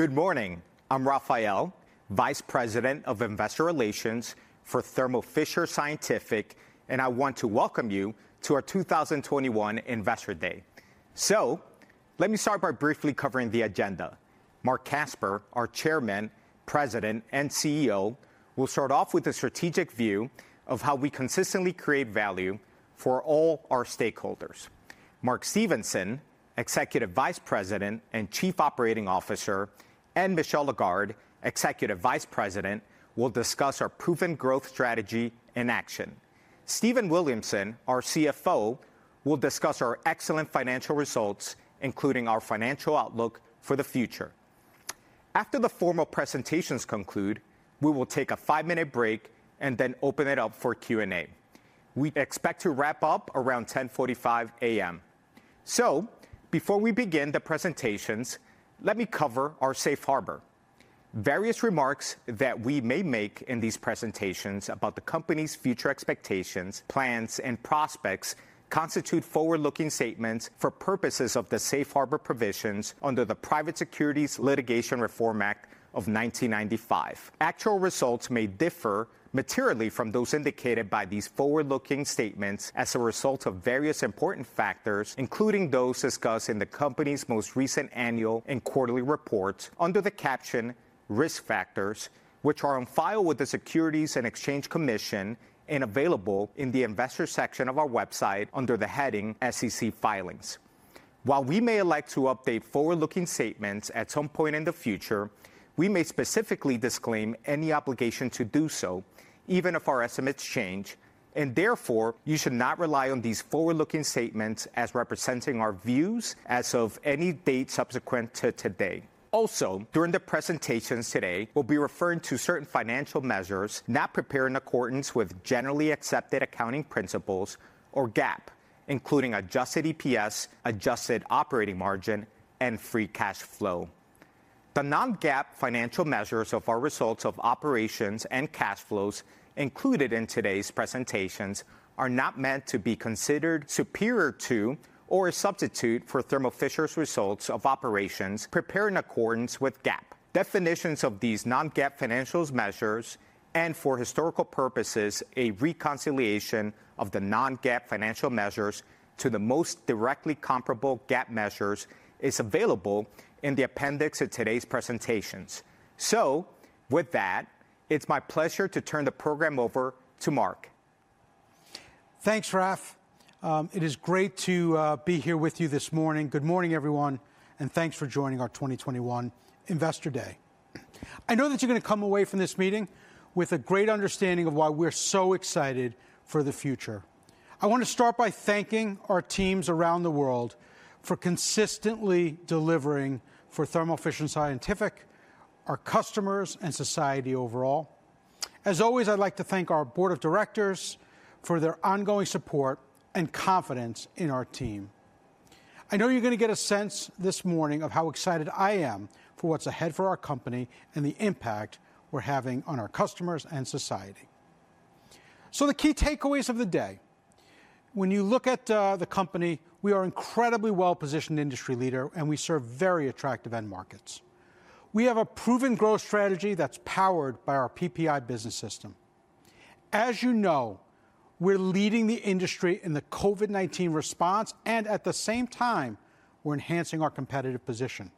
Good morning. I'm Rafael, Vice President of Investor Relations for Thermo Fisher Scientific, and I want to welcome you to our 2021 Investor Day. Let me start by briefly covering the agenda. Marc Casper, our Chairman, President, and CEO, will start off with a strategic view of how we consistently create value for all our stakeholders. Mark Stevenson, Executive Vice President and Chief Operating Officer, and Michel Lagarde, Executive Vice President, will discuss our proven growth strategy in action. Stephen Williamson, our CFO, will discuss our excellent financial results, including our financial outlook for the future. After the formal presentations conclude, we will take a five-minute break and then open it up for Q&A. We expect to wrap up around 10:45 A.M. Before we begin the presentations, let me cover our safe harbor. Various remarks that we may make in these presentations about the company's future expectations, plans, and prospects constitute forward-looking statements for purposes of the safe harbor provisions under the Private Securities Litigation Reform Act of 1995. Actual results may differ materially from those indicated by these forward-looking statements as a result of various important factors, including those discussed in the company's most recent annual and quarterly reports under the caption "Risk Factors," which are on file with the Securities and Exchange Commission and available in the investor section of our website under the heading SEC Filings. While we may elect to update forward-looking statements at some point in the future, we may specifically disclaim any obligation to do so, even if our estimates change, and therefore, you should not rely on these forward-looking statements as representing our views as of any date subsequent to today. Also, during the presentations today, we'll be referring to certain financial measures not prepared in accordance with generally accepted accounting principles or GAAP, including adjusted EPS, adjusted operating margin, and free cash flow. The non-GAAP financial measures of our results of operations and cash flows included in today's presentations are not meant to be considered superior to or a substitute for Thermo Fisher's results of operations prepared in accordance with GAAP. Definitions of these non-GAAP financial measures, and for historical purposes, a reconciliation of the non-GAAP financial measures to the most directly comparable GAAP measures, is available in the appendix of today's presentations. With that, it's my pleasure to turn the program over to Marc. Thanks, Raf. It is great to be here with you this morning. Good morning, everyone, thanks for joining our 2021 Investor Day. I know that you're gonna come away from this meeting with a great understanding of why we're so excited for the future. I want to start by thanking our teams around the world for consistently delivering for Thermo Fisher Scientific, our customers, and society overall. As always, I'd like to thank our board of directors for their ongoing support and confidence in our team. I know you're gonna get a sense this morning of how excited I am for what's ahead for our company and the impact we're having on our customers and society. The key takeaways of the day, when you look at the company, we are incredibly well-positioned industry leader, and we serve very attractive end markets. We have a proven growth strategy that's powered by our PPI Business System. As you know, we're leading the industry in the COVID-19 response, and at the same time, we're enhancing our competitive position.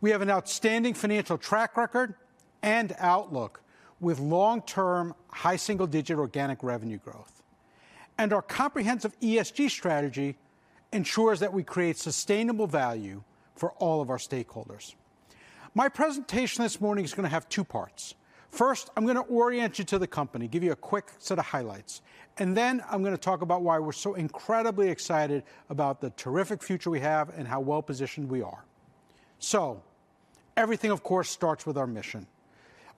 We have an outstanding financial track record and outlook with long-term high single-digit organic revenue growth. Our comprehensive ESG strategy ensures that we create sustainable value for all of our stakeholders. My presentation this morning is gonna have two parts. First, I'm gonna orient you to the company, give you a quick set of highlights, and then I'm gonna talk about why we're so incredibly excited about the terrific future we have and how well positioned we are. Everything, of course, starts with our mission.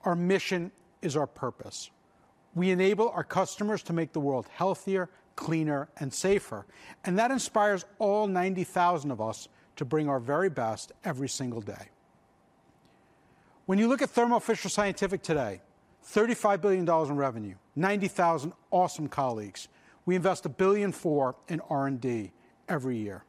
Our mission is our purpose. We enable our customers to make the world healthier, cleaner, and safer, that inspires all 90,000 of us to bring our very best every single day. When you look at Thermo Fisher Scientific today, $35 billion in revenue, 90,000 awesome colleagues. We invest $1.4 billion in R&D every year.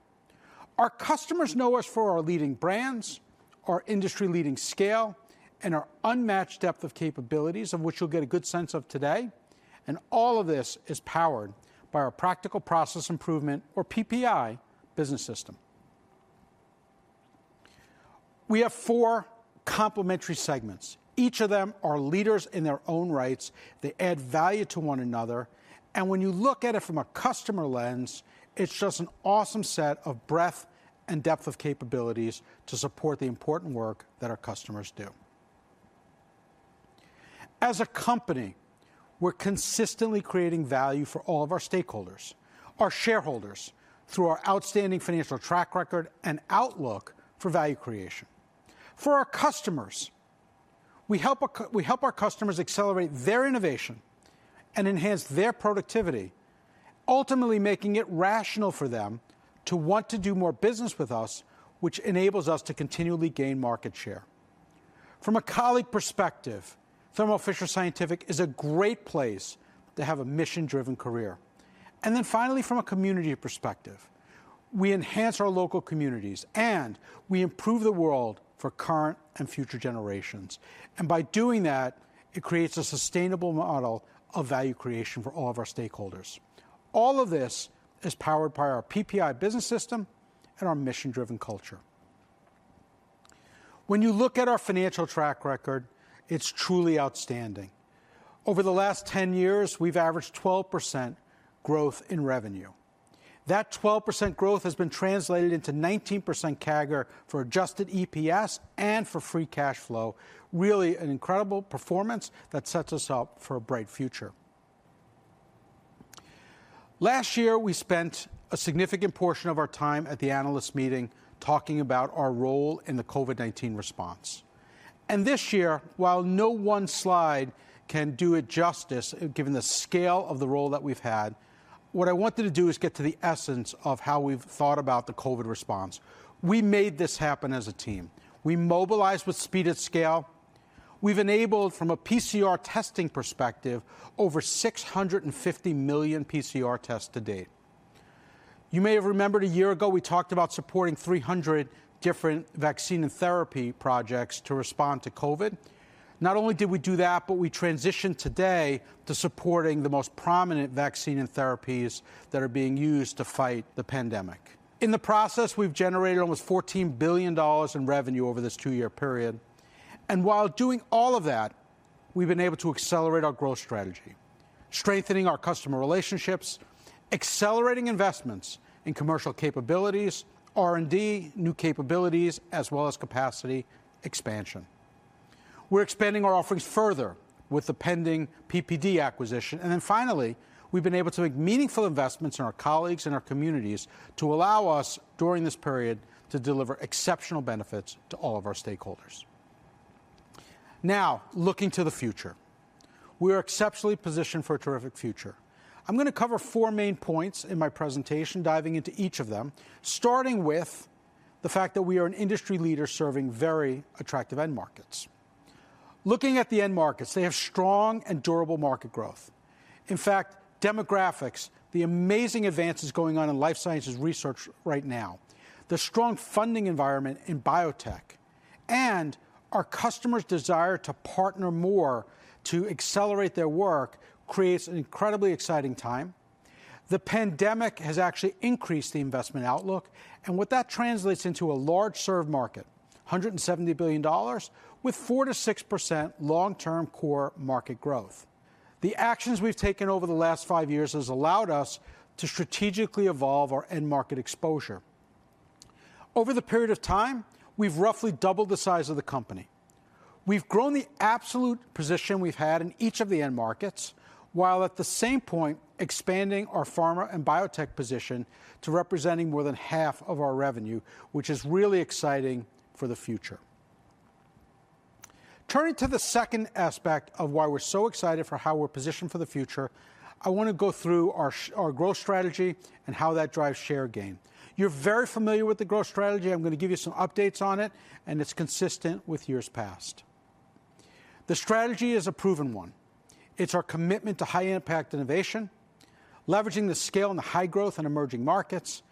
Our customers know us for our leading brands, our industry leading scale, and our unmatched depth of capabilities, of which you'll get a good sense of today. All of this is powered by our Practical Process Improvement, or PPI, Business System. We have four complementary segments. Each of them are leaders in their own rights. They add value to one another. When you look at it from a customer lens, it's just an awesome set of breadth and depth of capabilities to support the important work that our customers do. As a company, we're consistently creating value for all of our stakeholders, our shareholders, through our outstanding financial track record and outlook for value creation. For our customers, we help our customers accelerate their innovation and enhance their productivity, ultimately making it rational for them to want to do more business with us, which enables us to continually gain market share. From a colleague perspective, Thermo Fisher Scientific is a great place to have a mission-driven career. Finally, from a community perspective, we enhance our local communities, and we improve the world for current and future generations. By doing that, it creates a sustainable model of value creation for all of our stakeholders. All of this is powered by our PPI Business System and our mission-driven culture. When you look at our financial track record, it's truly outstanding. Over the last 10 years, we've averaged 12% growth in revenue. That 12% growth has been translated into 19% CAGR for adjusted EPS and for free cash flow, really an incredible performance that sets us up for a bright future. Last year, we spent a significant portion of our time at the analyst meeting talking about our role in the COVID-19 response. This year, while no one slide can do it justice, given the scale of the role that we've had, what I wanted to do is get to the essence of how we've thought about the COVID response. We made this happen as a team. We mobilized with speed and scale. We've enabled, from a PCR testing perspective, over 650 million PCR tests to date. You may have remembered a year ago we talked about supporting 300 different vaccine and therapy projects to respond to COVID. Not only did we do that, but we transitioned today to supporting the most prominent vaccine and therapies that are being used to fight the pandemic. In the process, we've generated almost $14 billion in revenue over this two-year period. While doing all of that, we've been able to accelerate our growth strategy, strengthening our customer relationships, accelerating investments in commercial capabilities, R&D, new capabilities, as well as capacity expansion. We're expanding our offerings further with the pending PPD acquisition. Finally, we've been able to make meaningful investments in our colleagues and our communities to allow us, during this period, to deliver exceptional benefits to all of our stakeholders. Now, looking to the future, we're exceptionally positioned for a terrific future. I'm gonna cover four main points in my presentation, diving into each of them, starting with the fact that we are an industry leader serving very attractive end markets. Looking at the end markets, they have strong and durable market growth. In fact, demographics, the amazing advances going on in life sciences research right now, the strong funding environment in biotech, and our customers' desire to partner more to accelerate their work creates an incredibly exciting time. The pandemic has actually increased the investment outlook, and with that translates into a large served market, $170 billion, with 4%-6% long-term core market growth. The actions we've taken over the last five years has allowed us to strategically evolve our end market exposure. Over the period of time, we've roughly doubled the size of the company. We've grown the absolute position we've had in each of the end markets, while at the same point expanding our pharma and biotech position to representing more than 1/2 of our revenue, which is really exciting for the future. Turning to the second aspect of why we're so excited for how we're positioned for the future, I wanna go through our growth strategy and how that drives share gain. You're very familiar with the growth strategy. I'm gonna give you some updates on it, and it's consistent with years past. The strategy is a proven one. It's our commitment to high impact innovation, leveraging the scale and the high growth in emerging markets,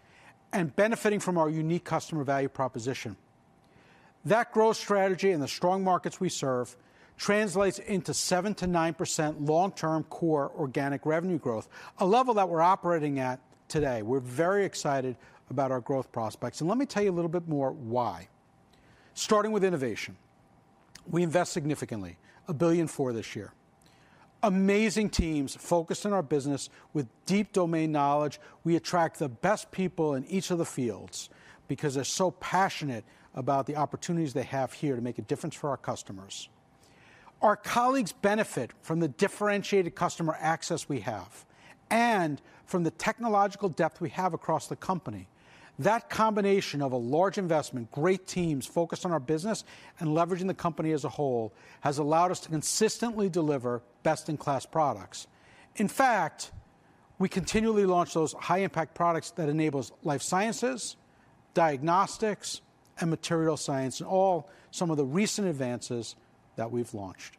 and benefiting from our unique customer value proposition. That growth strategy and the strong markets we serve translates into 7%-9% long-term core organic revenue growth, a level that we're operating at today. We're very excited about our growth prospects. Let me tell you a little bit more why. Starting with innovation, we invest significantly, $1.4 billion for this year. Amazing teams focused on our business with deep domain knowledge. We attract the best people in each of the fields because they're so passionate about the opportunities they have here to make a difference for our customers. Our colleagues benefit from the differentiated customer access we have and from the technological depth we have across the company. That combination of a large investment, great teams focused on our business, and leveraging the company as a whole has allowed us to consistently deliver best-in-class products. In fact, we continually launch those high impact products that enables life sciences, diagnostics, and material science in all some of the recent advances that we've launched.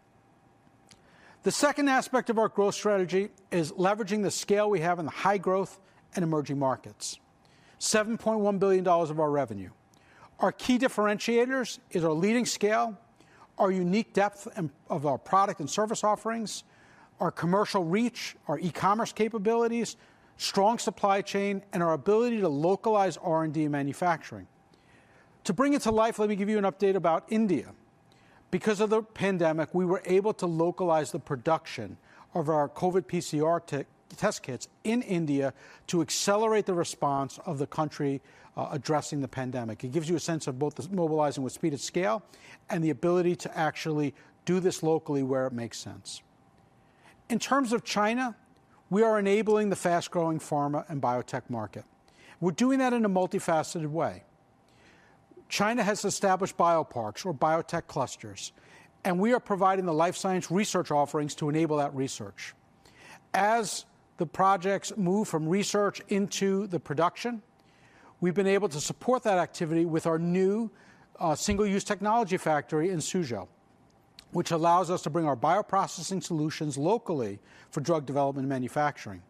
The second aspect of our growth strategy is leveraging the scale we have in the high growth and emerging markets, $7.1 billion of our revenue. Our key differentiators is our leading scale, our unique depth and, of our product and service offerings, our commercial reach, our e-commerce capabilities, strong supply chain, and our ability to localize R&D and manufacturing. To bring it to life, let me give you an update about India. Because of the pandemic, we were able to localize the production of our COVID PCR test kits in India to accelerate the response of the country addressing the pandemic. It gives you a sense of both the mobilizing with speed and scale and the ability to actually do this locally where it makes sense. In terms of China, we are enabling the fast-growing pharma and biotech market. We're doing that in a multifaceted way. China has established bio parks or biotech clusters. We are providing the life science research offerings to enable that research. As the projects move from research into the production, we've been able to support that activity with our new single-use technology factory in Suzhou, which allows us to bring our bioprocessing solutions locally for drug development and manufacturing.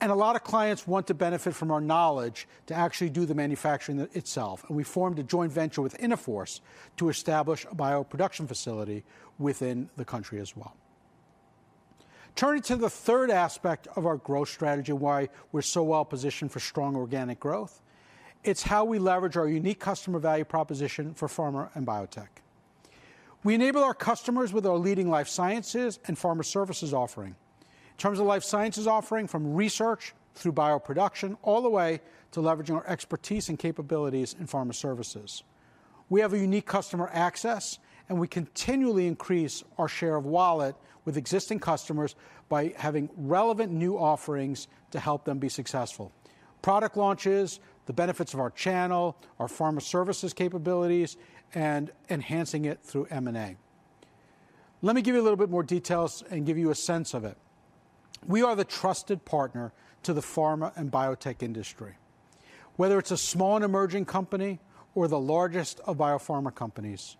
A lot of clients want to benefit from our knowledge to actually do the manufacturing itself, and we formed a joint venture with Innoforce to establish a bioproduction facility within the country as well. Turning to the third aspect of our growth strategy, why we're so well positioned for strong organic growth, it's how we leverage our unique customer value proposition for pharma and biotech. We enable our customers with our leading life sciences and pharma services offering. In terms of life sciences offering, from research through bioproduction, all the way to leveraging our expertise and capabilities in pharma services. We have a unique customer access and we continually increase our share of wallet with existing customers by having relevant new offerings to help them be successful. Product launches, the benefits of our channel, our pharma services capabilities, and enhancing it through M&A. Let me give you a little bit more details and give you a sense of it. We are the trusted partner to the pharma and biotech industry, whether it's a small and emerging company or the largest of biopharma companies.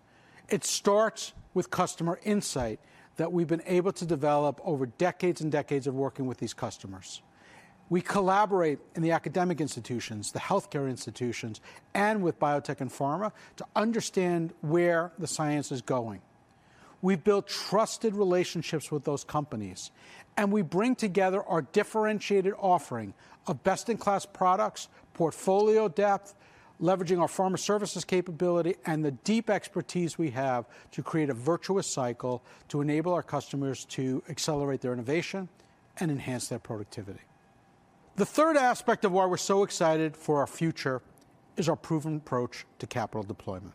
It starts with customer insight that we've been able to develop over decades and decades of working with these customers. We collaborate in the academic institutions, the healthcare institutions, and with biotech and pharma to understand where the science is going. We've built trusted relationships with those companies. We bring together our differentiated offering of best-in-class products, portfolio depth, leveraging our pharma services capability, and the deep expertise we have to create a virtuous cycle to enable our customers to accelerate their innovation and enhance their productivity. The third aspect of why we're so excited for our future is our proven approach to capital deployment.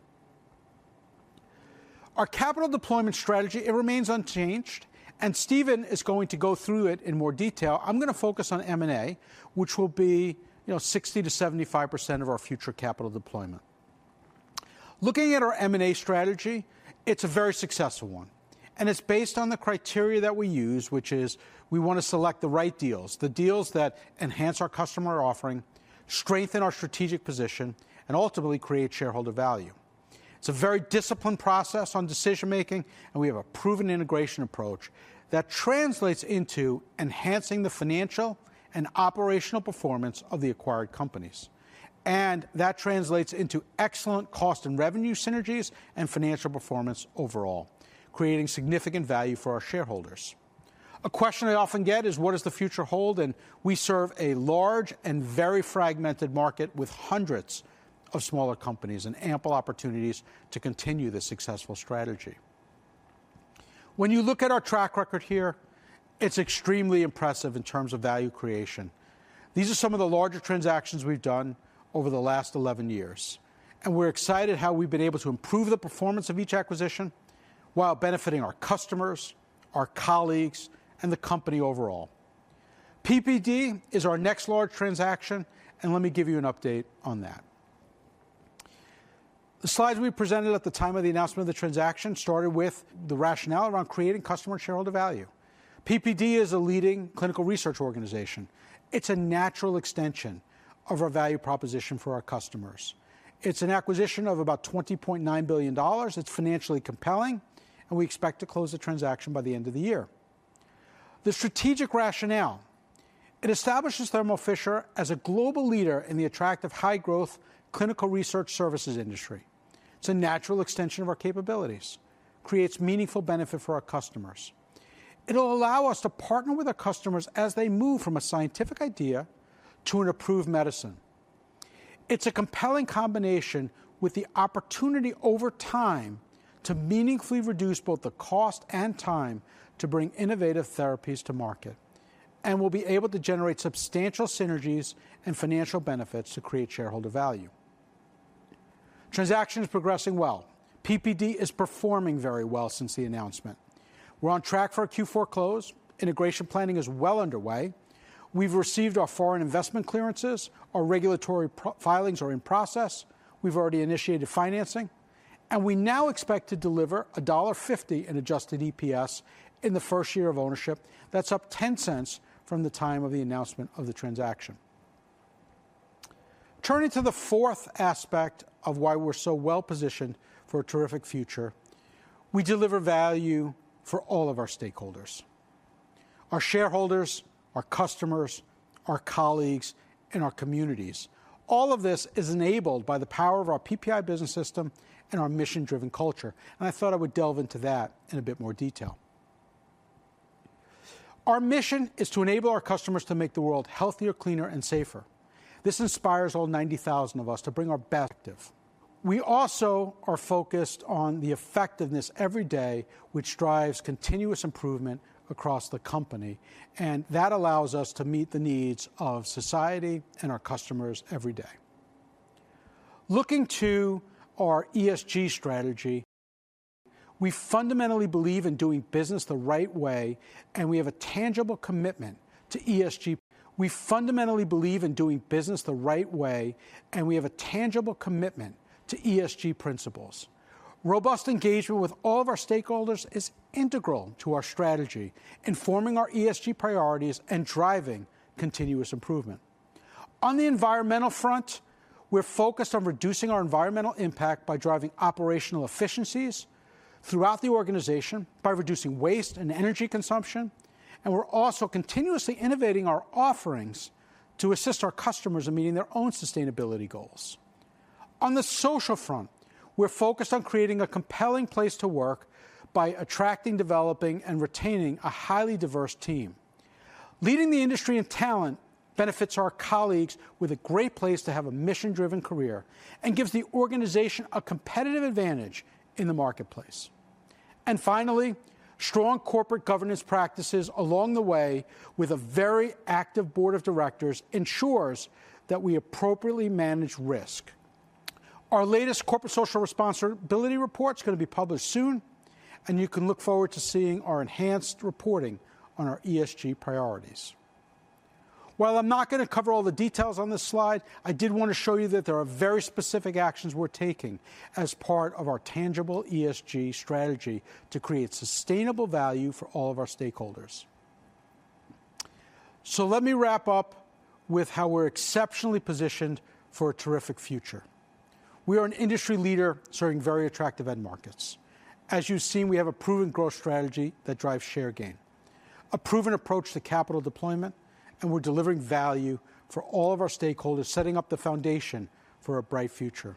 Our capital deployment strategy, it remains unchanged. Stephen is going to go through it in more detail. I'm gonna focus on M&A, which will be, you know, 60%-75% of our future capital deployment. Looking at our M&A strategy, it's a very successful one. It's based on the criteria that we use, which is we wanna select the right deals, the deals that enhance our customer offering, strengthen our strategic position, and ultimately create shareholder value. It's a very disciplined process on decision-making, and we have a proven integration approach that translates into enhancing the financial and operational performance of the acquired companies. That translates into excellent cost and revenue synergies and financial performance overall, creating significant value for our shareholders. A question I often get is what does the future hold? We serve a large and very fragmented market with hundreds of smaller companies and ample opportunities to continue this successful strategy. When you look at our track record here, it's extremely impressive in terms of value creation. These are some of the larger transactions we've done over the last 11 years, and we're excited how we've been able to improve the performance of each acquisition while benefiting our customers, our colleagues, and the company overall. PPD is our next large transaction, and let me give you an update on that. The slides we presented at the time of the announcement of the transaction started with the rationale around creating customer and shareholder value. PPD is a leading clinical research organization. It's a natural extension of our value proposition for our customers. It's an acquisition of about $20.9 billion. It's financially compelling, and we expect to close the transaction by the end of the year. The strategic rationale, it establishes Thermo Fisher as a global leader in the attractive high-growth clinical research services industry. It's a natural extension of our capabilities, creates meaningful benefit for our customers. It'll allow us to partner with our customers as they move from a scientific idea to an approved medicine. It's a compelling combination with the opportunity over time to meaningfully reduce both the cost and time to bring innovative therapies to market. We'll be able to generate substantial synergies and financial benefits to create shareholder value. Transaction is progressing well. PPD is performing very well since the announcement. We're on track for a Q4 close. Integration planning is well underway. We've received our foreign investment clearances. Our regulatory filings are in process. We've already initiated financing, and we now expect to deliver $1.50 in adjusted EPS in the first year of ownership. That's up $0.10 from the time of the announcement of the transaction. Turning to the fourth aspect of why we're so well positioned for a terrific future, we deliver value for all of our stakeholders, our shareholders, our customers, our colleagues, and our communities. All of this is enabled by the power of our PPI Business System and our mission-driven culture, and I thought I would delve into that in a bit more detail. Our mission is to enable our customers to make the world healthier, cleaner, and safer. This inspires all 90,000 of us to bring our best. We also are focused on the effectiveness every day, which drives continuous improvement across the company. That allows us to meet the needs of society and our customers every day. Looking to our ESG strategy, we fundamentally believe in doing business the right way. We have a tangible commitment to ESG. We fundamentally believe in doing business the right way. We have a tangible commitment to ESG principles. Robust engagement with all of our stakeholders is integral to our strategy in forming our ESG priorities and driving continuous improvement. On the environmental front, we're focused on reducing our environmental impact by driving operational efficiencies throughout the organization by reducing waste and energy consumption. We're also continuously innovating our offerings to assist our customers in meeting their own sustainability goals. On the social front, we're focused on creating a compelling place to work by attracting, developing, and retaining a highly diverse team. Leading the industry in talent benefits our colleagues with a great place to have a mission-driven career and gives the organization a competitive advantage in the marketplace. Finally, strong corporate governance practices along the way with a very active board of directors ensures that we appropriately manage risk. Our latest corporate social responsibility report's gonna be published soon. You can look forward to seeing our enhanced reporting on our ESG priorities. While I'm not gonna cover all the details on this slide, I did want to show you that there are very specific actions we're taking as part of our tangible ESG strategy to create sustainable value for all of our stakeholders. Let me wrap up with how we're exceptionally positioned for a terrific future. We are an industry leader serving very attractive end markets. As you've seen, we have a proven growth strategy that drives share gain, a proven approach to capital deployment, and we're delivering value for all of our stakeholders, setting up the foundation for a bright future.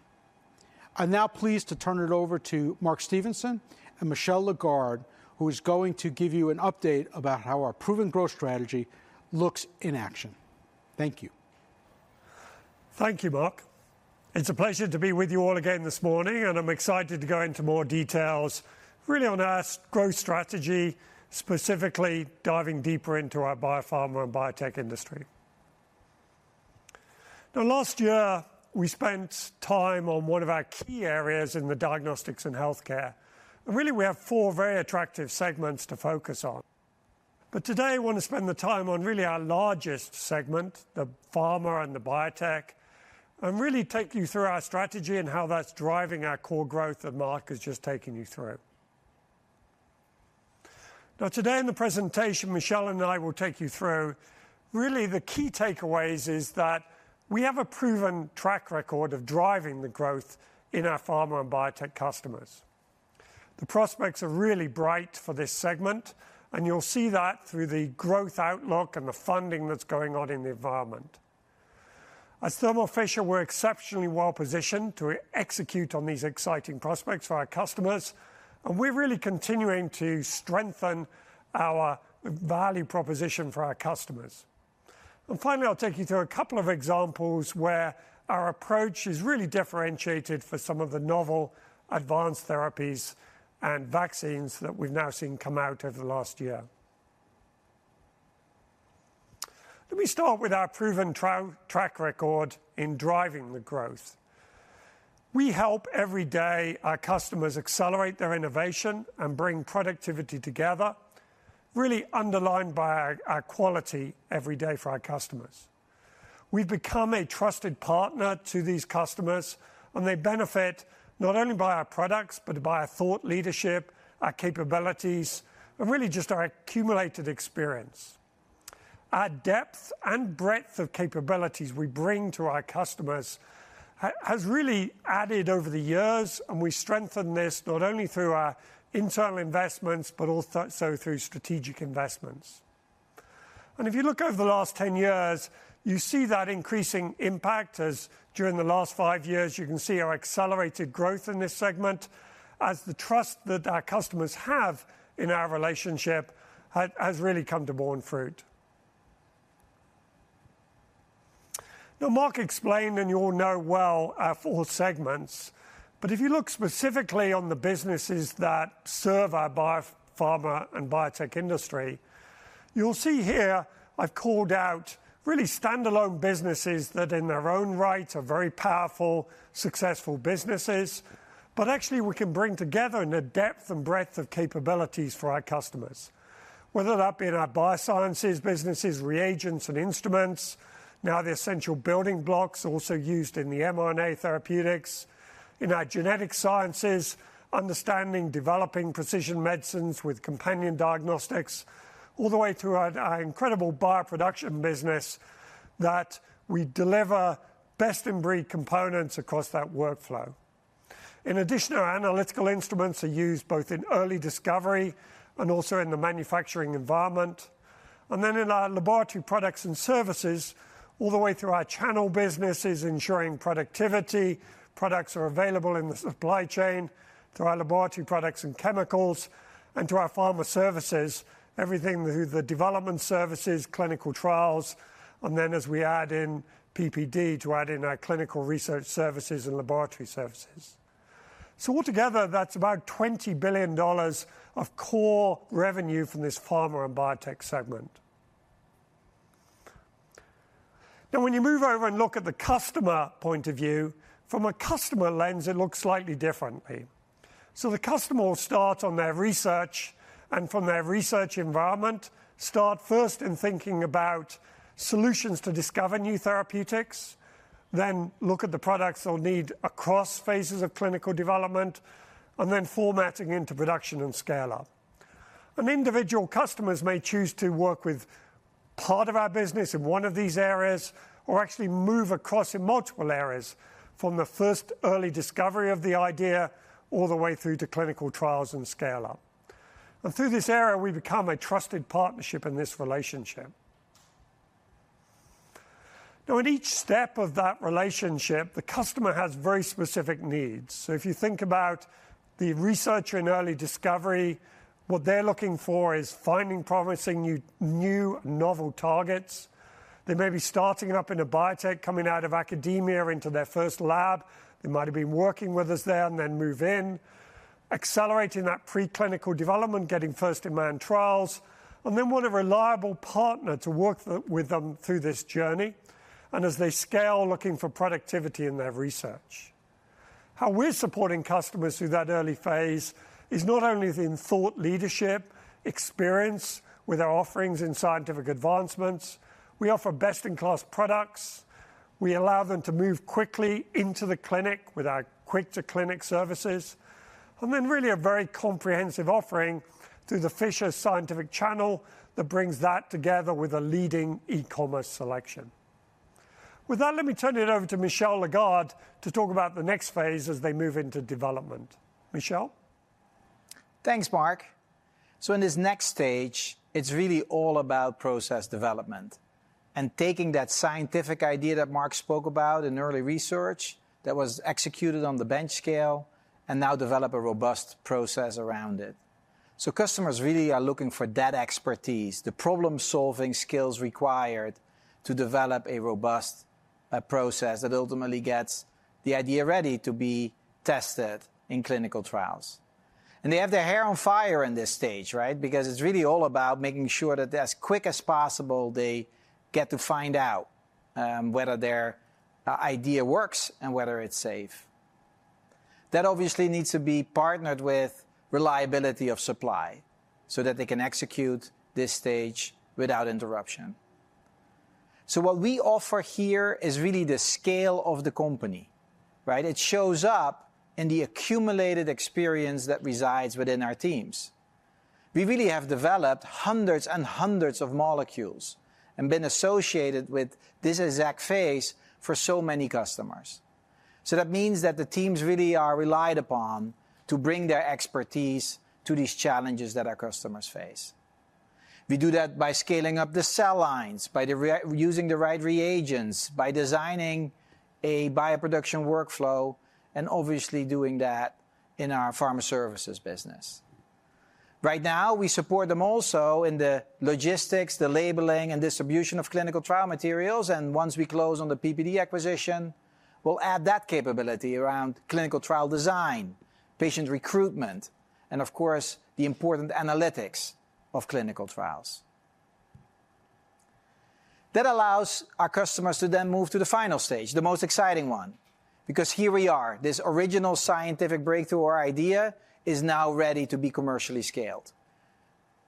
I'm now pleased to turn it over to Mark Stevenson and Michel Lagarde, who is going to give you an update about how our proven growth strategy looks in action. Thank you. Thank you, Marc. It's a pleasure to be with you all again this morning, and I'm excited to go into more details really on our growth strategy, specifically diving deeper into our biopharma and biotech industry. Last year, we spent time on one of our key areas in the diagnostics and healthcare, and really we have four very attractive segments to focus on. Today, I want to spend the time on really our largest segment, the pharma and the biotech, and really take you through our strategy and how that's driving our core growth that Marc has just taken you through. Today in the presentation, Michel and I will take you through really the key takeaways is that we have a proven track record of driving the growth in our pharma and biotech customers. The prospects are really bright for this segment, and you'll see that through the growth outlook and the funding that's going on in the environment. As Thermo Fisher, we're exceptionally well positioned to execute on these exciting prospects for our customers, and we're really continuing to strengthen our value proposition for our customers. Finally, I'll take you through a couple of examples where our approach is really differentiated for some of the novel advanced therapies and vaccines that we've now seen come out over the last year. Let me start with our proven track record in driving the growth. We help every day our customers accelerate their innovation and bring productivity together, really underlined by our quality every day for our customers. We've become a trusted partner to these customers, and they benefit not only by our products, but by our thought leadership, our capabilities, and really just our accumulated experience. Our depth and breadth of capabilities we bring to our customers has really added over the years, and we strengthen this not only through our internal investments, but also through strategic investments. If you look over the last 10 years, you see that increasing impact as during the last five years, you can see our accelerated growth in this segment as the trust that our customers have in our relationship has really come to borne fruit. Now Marc explained, and you all know well, our four segments. If you look specifically on the businesses that serve our biopharma and biotech industry, you'll see here I've called out really standalone businesses that in their own right are very powerful, successful businesses. Actually, we can bring together in a depth and breadth of capabilities for our customers, whether that be in our Biosciences businesses, reagents and instruments. Now they're essential building blocks also used in the mRNA therapeutics. In our Genetic Sciences, understanding developing precision medicines with companion diagnostics, all the way through our incredible bioproduction business that we deliver best-in-breed components across that workflow. In addition, our Analytical Instruments are used both in early discovery and also in the manufacturing environment. In our laboratory products and services, all the way through our channel businesses ensuring productivity, products are available in the supply chain, through our laboratory products and chemicals, and to our pharma services, everything through the development services, clinical trials, and then as we add in PPD to add in our clinical research services and laboratory services. All together, that's about $20 billion of core revenue from this pharma and biotech segment. When you move over and look at the customer point of view, from a customer lens, it looks slightly differently. The customer will start on their research, and from their research environment, start first in thinking about solutions to discover new therapeutics, then look at the products they'll need across phases of clinical development, and then formatting into production and scale up. Individual customers may choose to work with part of our business in one of these areas or actually move across in multiple areas from the first early discovery of the idea all the way through to clinical trials and scale up. Through this area, we've become a trusted partnership in this relationship. In each step of that relationship, the customer has very specific needs. If you think about the researcher in early discovery, what they're looking for is finding promising new novel targets. They may be starting up in a biotech coming out of academia into their first lab. They might have been working with us there and then move in, accelerating that preclinical development, getting first-in-man trials, and they want a reliable partner to work with them through this journey, and as they scale, looking for productivity in their research. How we're supporting customers through that early phase is not only in thought leadership, experience with our offerings in scientific advancements, we offer best-in-class products, we allow them to move quickly into the clinic with our Quick to Clinic services, and then really a very comprehensive offering through the Fisher Scientific channel that brings that together with a leading e-commerce selection. With that, let me turn it over to Michel Lagarde to talk about the next phase as they move into development. Michel? Thanks, Mark. In this next stage, it's really all about process development, and taking that scientific idea that Marc spoke about in early research that was executed on the bench scale, and now develop a robust process around it. Customers really are looking for that expertise, the problem-solving skills required to develop a robust process that ultimately gets the idea ready to be tested in clinical trials. They have their hair on fire in this stage, right? Because it's really all about making sure that as quick as possible they get to find out whether their idea works and whether it's safe. That obviously needs to be partnered with reliability of supply so that they can execute this stage without interruption. What we offer here is really the scale of the company, right? It shows up in the accumulated experience that resides within our teams. We really have developed hundreds and hundreds of molecules and been associated with this exact phase for so many customers. That means that the teams really are relied upon to bring their expertise to these challenges that our customers face. We do that by scaling up the cell lines, by using the right reagents, by designing a bioproduction workflow, and obviously doing that in our pharma services business. Right now, we support them also in the logistics, the labeling, and distribution of clinical trial materials, and once we close on the PPD acquisition, we'll add that capability around clinical trial design, patient recruitment, and of course, the important analytics of clinical trials. That allows our customers to then move to the final stage, the most exciting one, because here we are, this original scientific breakthrough or idea is now ready to be commercially scaled.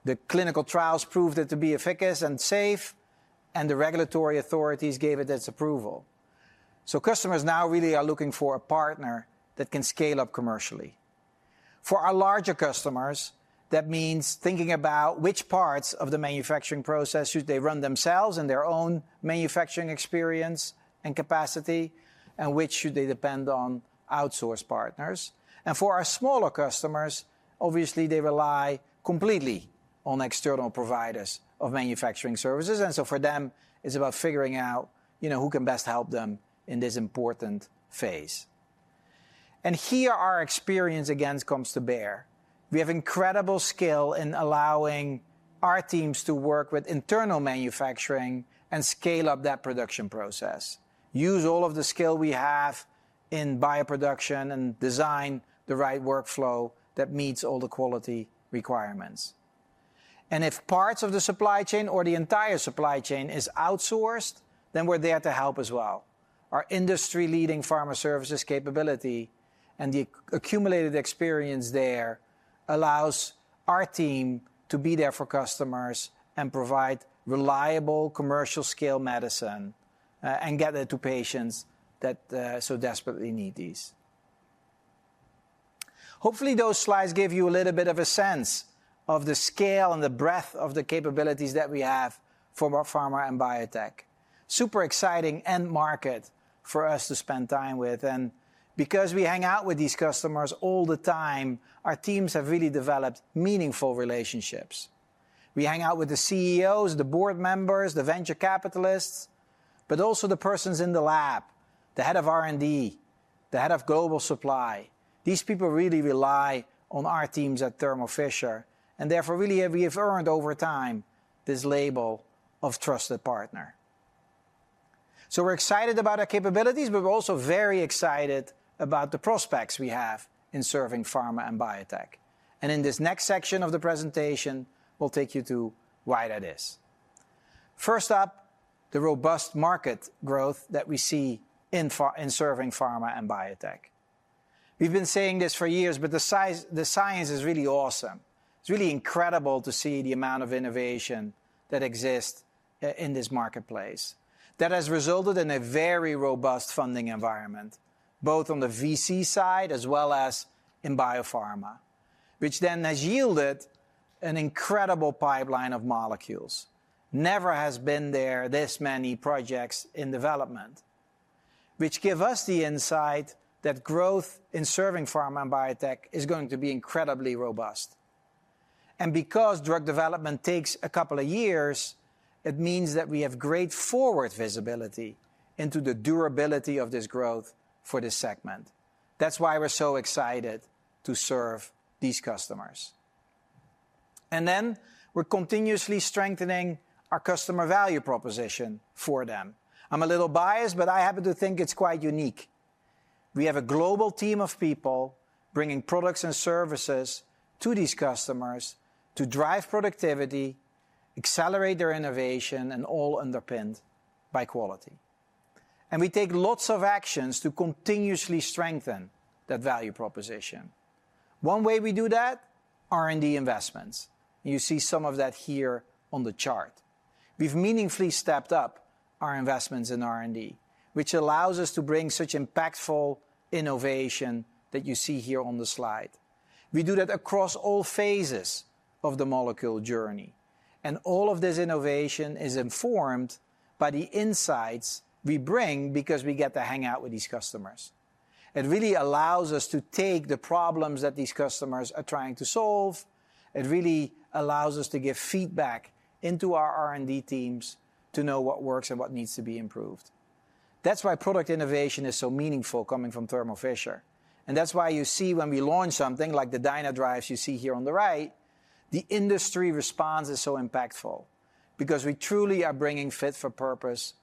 The clinical trials proved it to be efficacious and safe, the regulatory authorities gave it its approval. Customers now really are looking for a partner that can scale up commercially. For our larger customers, that means thinking about which parts of the manufacturing process should they run themselves in their own manufacturing experience and capacity, and which should they depend on outsource partners. For our smaller customers, obviously they rely completely on external providers of manufacturing services. For them, it's about figuring out, you know, who can best help them in this important phase. Here our experience again comes to bear. We have incredible skill in allowing our teams to work with internal manufacturing and scale up that production process, use all of the skill we have in bioproduction, and design the right workflow that meets all the quality requirements. If parts of the supply chain or the entire supply chain is outsourced, then we're there to help as well. Our industry-leading pharma services capability and the accumulated experience there allows our team to be there for customers and provide reliable commercial scale medicine and get it to patients that so desperately need these. Hopefully, those slides gave you a little bit of a sense of the scale and the breadth of the capabilities that we have for our pharma and biotech. Super exciting end market for us to spend time with. Because we hang out with these customers all the time, our teams have really developed meaningful relationships. We hang out with the CEOs, the board members, the venture capitalists. Also the persons in the lab, the head of R&D, the head of global supply. These people really rely on our teams at Thermo Fisher Scientific. Therefore really we have earned over time this label of trusted partner. We're excited about our capabilities. We're also very excited about the prospects we have in serving pharma and biotech. In this next section of the presentation, we'll take you to why that is. First up, the robust market growth that we see in serving pharma and biotech. We've been saying this for years. The science is really awesome. It's really incredible to see the amount of innovation that exists in this marketplace that has resulted in a very robust funding environment, both on the VC side as well as in biopharma, which then has yielded an incredible pipeline of molecules. Never has been there this many projects in development, which give us the insight that growth in serving pharma and biotech is going to be incredibly robust. Because drug development takes a couple of years, it means that we have great forward visibility into the durability of this growth for this segment. That's why we're so excited to serve these customers. Then we're continuously strengthening our customer value proposition for them. I'm a little biased, but I happen to think it's quite unique. We have a global team of people bringing products and services to these customers to drive productivity, accelerate their innovation, and all underpinned by quality. We take lots of actions to continuously strengthen that value proposition. One way we do that, R&D investments. You see some of that here on the chart. We've meaningfully stepped up our investments in R&D, which allows us to bring such impactful innovation that you see here on the slide. We do that across all phases of the molecule journey. All of this innovation is informed by the insights we bring because we get to hang out with these customers. It really allows us to take the problems that these customers are trying to solve. It really allows us to give feedback into our R&D teams to know what works and what needs to be improved. That's why product innovation is so meaningful coming from Thermo Fisher, and that's why you see when we launch something like the DynaDrive you see here on the right, the industry response is so impactful because we truly are bringing fit for purpose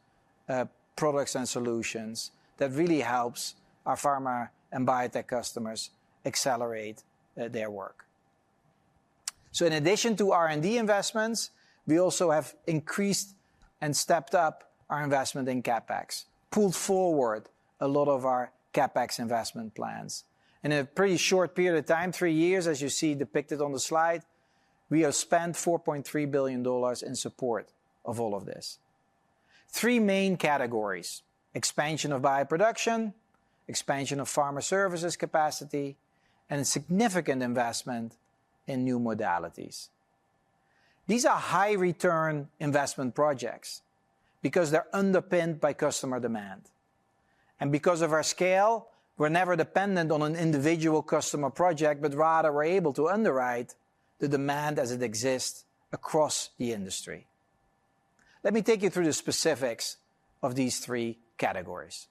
products and solutions that really helps our pharma and biotech customers accelerate their work. In addition to R&D investments, we also have increased and stepped up our investment in CapEx, pulled forward a lot of our CapEx investment plans. In a pretty short period of time, three years, as you see depicted on the slide, we have spent $4.3 billion in support of all of this. Three main categories: expansion of bioproduction, expansion of pharma services capacity, and significant investment in new modalities. These are high-return investment projects because they're underpinned by customer demand. Because of our scale, we're never dependent on an individual customer project, but rather we're able to underwrite the demand as it exists across the industry. Let me take you through the specifics of these three categories.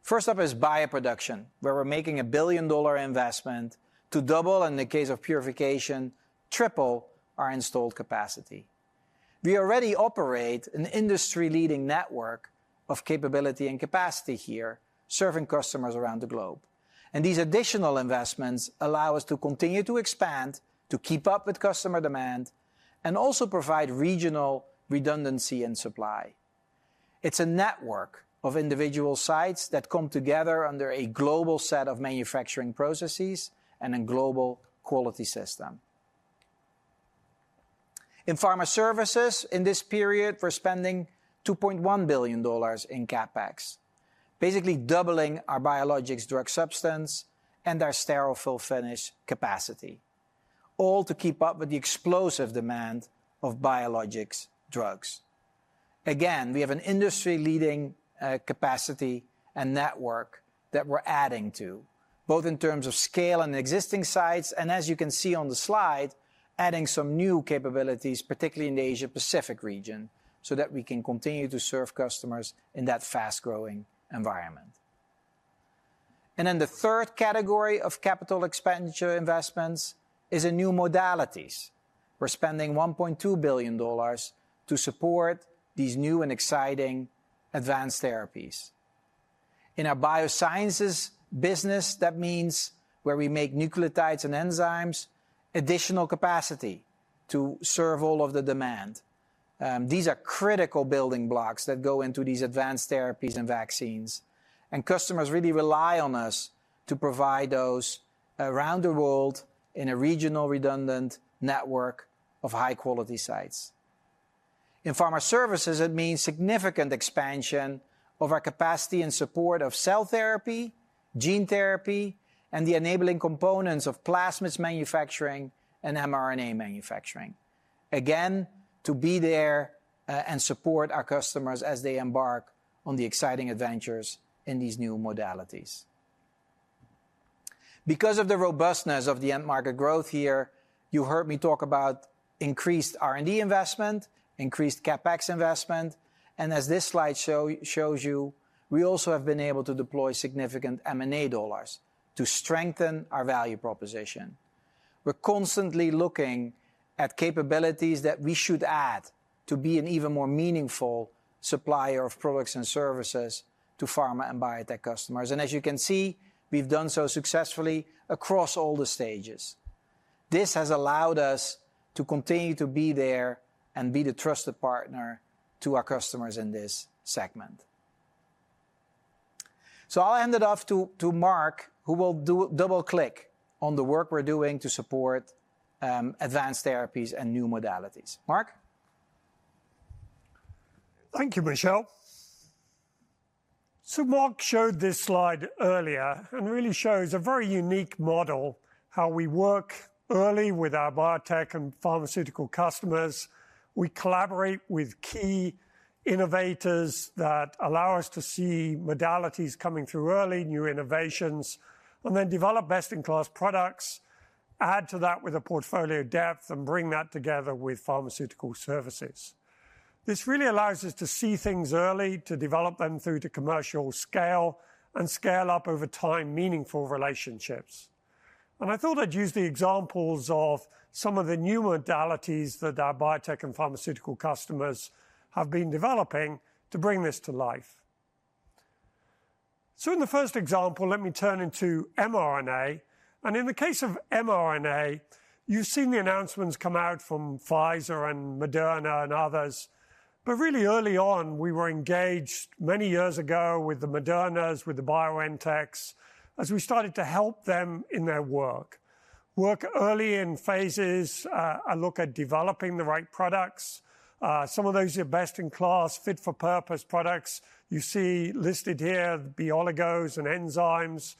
First up is bioproduction, where we're making $1 billion investment to double, and in the case of purification, triple our installed capacity. We already operate an industry-leading network of capability and capacity here, serving customers around the globe, and these additional investments allow us to continue to expand, to keep up with customer demand, and also provide regional redundancy in supply. It's a network of individual sites that come together under a global set of manufacturing processes and a global quality system. In pharma services, in this period, we're spending $2.1 billion in CapEx, basically doubling our biologics drug substance and our sterile fill-finish capacity, all to keep up with the explosive demand of biologics drugs. Again, we have an industry-leading capacity and network that we're adding to, both in terms of scale and existing sites, and as you can see on the slide, adding some new capabilities, particularly in the Asia Pacific region, so that we can continue to serve customers in that fast-growing environment. The third category of capital expenditure investments is in new modalities. We're spending $1.2 billion to support these new and exciting advanced therapies. In our biosciences business, that means where we make nucleotides and enzymes, additional capacity to serve all of the demand. These are critical building blocks that go into these advanced therapies and vaccines. Customers really rely on us to provide those around the world in a regional redundant network of high-quality sites. In pharma services, it means significant expansion of our capacity and support of cell therapy, gene therapy, and the enabling components of plasmids manufacturing and mRNA manufacturing, again, to be there and support our customers as they embark on the exciting adventures in these new modalities. Because of the robustness of the end market growth here, you heard me talk about increased R&D investment, increased CapEx investment, and as this slide shows you, we also have been able to deploy significant M&A dollars to strengthen our value proposition. We're constantly looking at capabilities that we should add to be an even more meaningful supplier of products and services to pharma and biotech customers. As you can see, we've done so successfully across all the stages. This has allowed us to continue to be there and be the trusted partner to our customers in this segment. I'll hand it off to Mark, who will double-click on the work we're doing to support advanced therapies and new modalities. Mark? Thank you, Michel. Marc showed this slide earlier, and really shows a very unique model how we work early with our biotech and pharmaceutical customers. We collaborate with key innovators that allow us to see modalities coming through early, new innovations, and then develop best-in-class products, add to that with a portfolio depth, and bring that together with pharmaceutical services. This really allows us to see things early, to develop them through to commercial scale, and scale up over time meaningful relationships. I thought I'd use the examples of some of the new modalities that our biotech and pharmaceutical customers have been developing to bring this to life. In the first example, let me turn into mRNA, and in the case of mRNA, you've seen the announcements come out from Pfizer and Moderna and others. Really early on, we were engaged many years ago with the Moderna, with the BioNTech, as we started to help them in their work. Work early in phases, a look at developing the right products. Some of those are best-in-class, fit for purpose products. You see listed here the oligos and enzymes,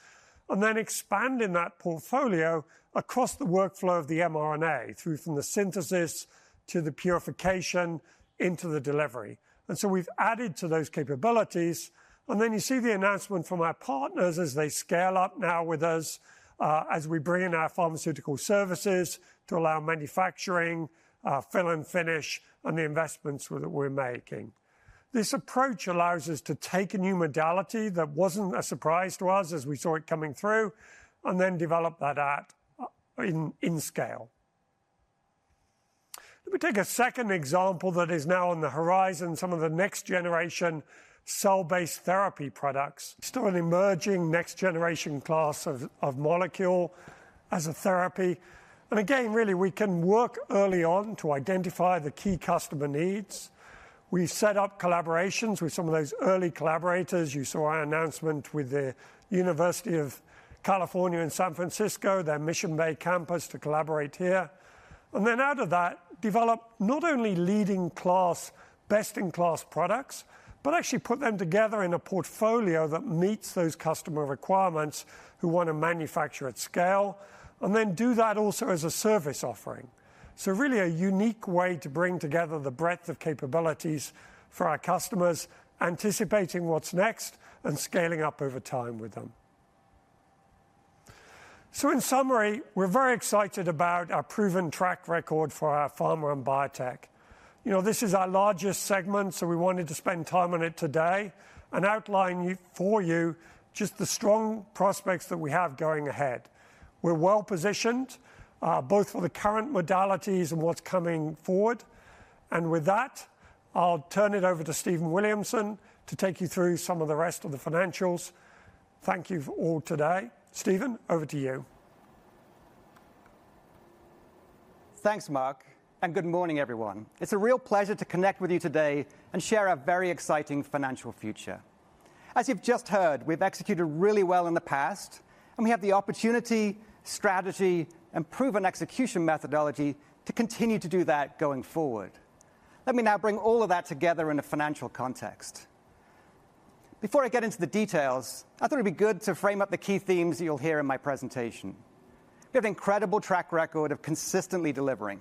and then expanding that portfolio across the workflow of the mRNA through from the synthesis to the purification into the delivery. We've added to those capabilities, and then you see the announcement from our partners as they scale up now with us, as we bring in our pharmaceutical services to allow manufacturing, fill and finish, and the investments that we're making. This approach allows us to take a new modality that wasn't a surprise to us as we saw it coming through, and then develop that at scale. Let me take a second example that is now on the horizon, some of the next generation cell-based therapy products. Still an emerging next generation class of molecule as a therapy. Again, really, we can work early on to identify the key customer needs. We set up collaborations with some of those early collaborators. You saw our announcement with the University of California, San Francisco, their Mission Bay campus, to collaborate here. Then out of that, develop not only leading class, best-in-class products, but actually put them together in a portfolio that meets those customer requirements who wanna manufacture at scale, and then do that also as a service offering. Really a unique way to bring together the breadth of capabilities for our customers, anticipating what's next, and scaling up over time with them. In summary, we're very excited about our proven track record for our pharma and biotech. You know, this is our largest segment, so we wanted to spend time on it today and outline for you just the strong prospects that we have going ahead. We're well-positioned, both for the current modalities and what's coming forward. With that, I'll turn it over to Stephen Williamson to take you through some of the rest of the financials. Thank you for all today. Stephen, over to you. Thanks, Mark. Good morning, everyone. It's a real pleasure to connect with you today and share a very exciting financial future. As you've just heard, we've executed really well in the past, and we have the opportunity, strategy, and proven execution methodology to continue to do that going forward. Let me now bring all of that together in a financial context. Before I get into the details, I thought it'd be good to frame up the key themes you'll hear in my presentation. We have an incredible track record of consistently delivering.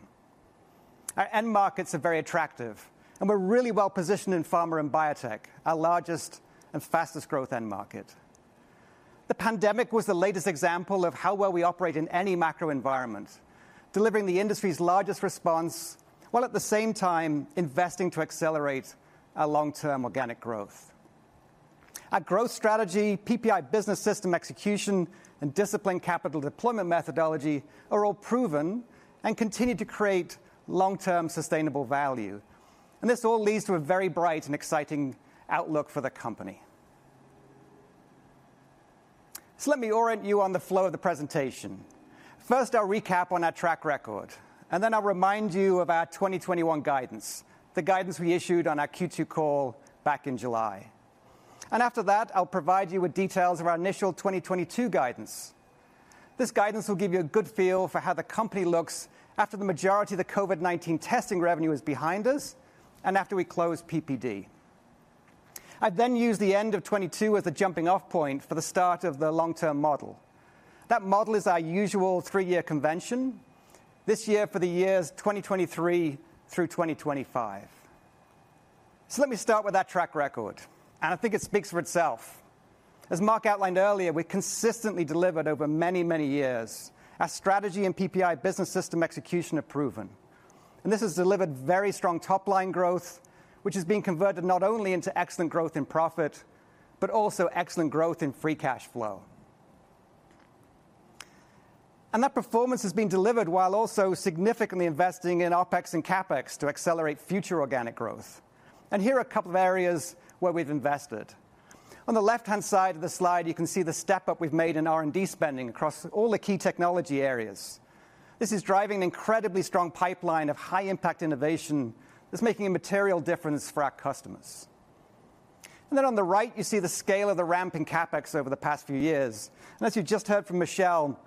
Our end markets are very attractive, and we're really well-positioned in pharma and biotech, our largest and fastest growth end market. The pandemic was the latest example of how well we operate in any macro environment, delivering the industry's largest response, while at the same time investing to accelerate our long-term organic growth. Our growth strategy, PPI Business System execution, and disciplined capital deployment methodology are all proven and continue to create long-term sustainable value. This all leads to a very bright and exciting outlook for the company. Let me orient you on the flow of the presentation. First, I'll recap on our track record, and then I'll remind you of our 2021 guidance, the guidance we issued on our Q2 call back in July. After that, I'll provide you with details of our initial 2022 guidance. This guidance will give you a good feel for how the company looks after the majority of the COVID-19 testing revenue is behind us and after we close PPD. I then use the end of 2022 as a jumping off point for the start of the long-term model. That model is our usual three-year convention. This year for the years 2023 through 2025. Let me start with that track record, and I think it speaks for itself. As Marc outlined earlier, we consistently delivered over many, many years. Our strategy and PPI Business System execution are proven, and this has delivered very strong top-line growth, which is being converted not only into excellent growth and profit, but also excellent growth in free cash flow. That performance has been delivered while also significantly investing in OpEx and CapEx to accelerate future organic growth. Here are a couple of areas where we've invested. On the left-hand side of the slide, you can see the step-up we've made in R&D spending across all the key technology areas. This is driving an incredibly strong pipeline of high impact innovation that's making a material difference for our customers. Then on the right, you see the scale of the ramp in CapEx over the past few years. As you just heard from Michel,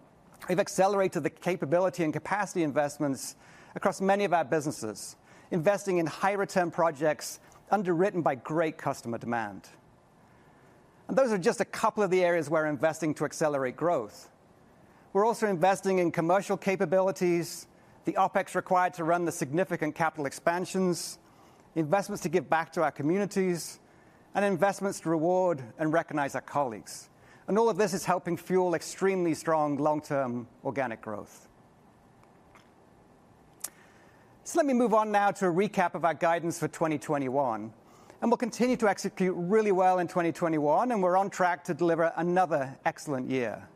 we've accelerated the capability and capacity investments across many of our businesses, investing in high return projects underwritten by great customer demand. Those are just a couple of the areas we're investing to accelerate growth. We're also investing in commercial capabilities, the OpEx required to run the significant capital expansions, investments to give back to our communities, and investments to reward and recognize our colleagues. All of this is helping fuel extremely strong long-term organic growth. Let me move on now to a recap of our guidance for 2021. We'll continue to execute really well in 2021, and we're on track to deliver another excellent year.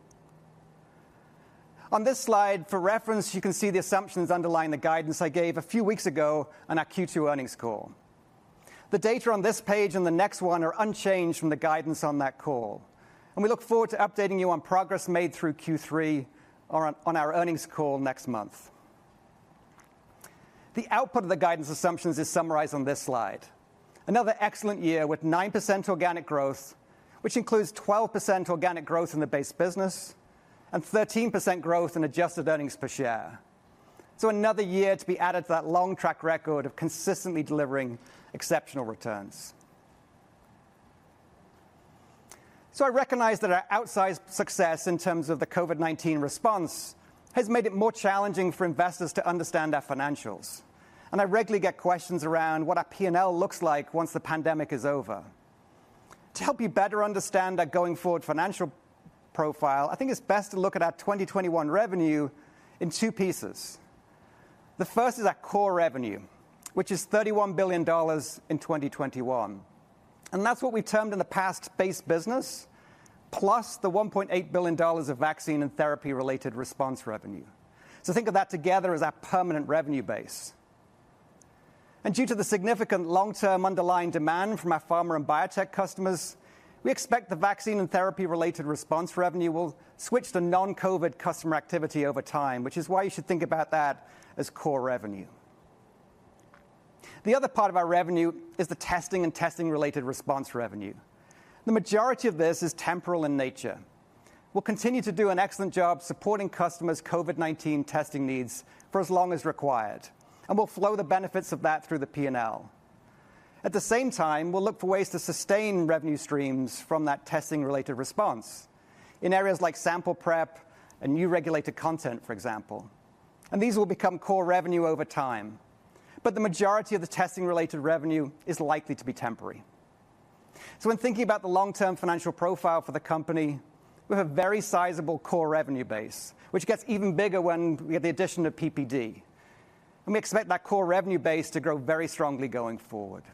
On this slide, for reference, you can see the assumptions underlying the guidance I gave a few weeks ago on our Q2 earnings call. The data on this page and the next one are unchanged from the guidance on that call. We look forward to updating you on progress made through Q3 on our earnings call next month. The output of the guidance assumptions is summarized on this slide. Another excellent year with 9% organic growth, which includes 12% organic growth in the base business and 13% growth in adjusted earnings per share. Another year to be added to that long track record of consistently delivering exceptional returns. I recognize that our outsized success in terms of the COVID-19 response has made it more challenging for investors to understand our financials, and I regularly get questions around what our P&L looks like once the pandemic is over. To help you better understand our going forward financial profile, I think it is best to look at our 2021 revenue in two pieces. The first is our core revenue, which is $31 billion in 2021, and that is what we termed in the past base business, plus the $1.8 billion of vaccine and therapy-related response revenue. Think of that together as our permanent revenue base. Due to the significant long-term underlying demand from our pharma and biotech customers, we expect the vaccine and therapy-related response revenue will switch to non-COVID customer activity over time, which is why you should think about that as core revenue. The other part of our revenue is the testing and testing-related response revenue. The majority of this is temporal in nature. We'll continue to do an excellent job supporting customers' COVID-19 testing needs for as long as required, and we'll flow the benefits of that through the P&L. At the same time, we'll look for ways to sustain revenue streams from that testing-related response in areas like sample prep and new regulated content, for example. These will become core revenue over time. The majority of the testing-related revenue is likely to be temporary. When thinking about the long-term financial profile for the company, we have a very sizable core revenue base, which gets even bigger when we have the addition of PPD, and we expect that core revenue base to grow very strongly going forward.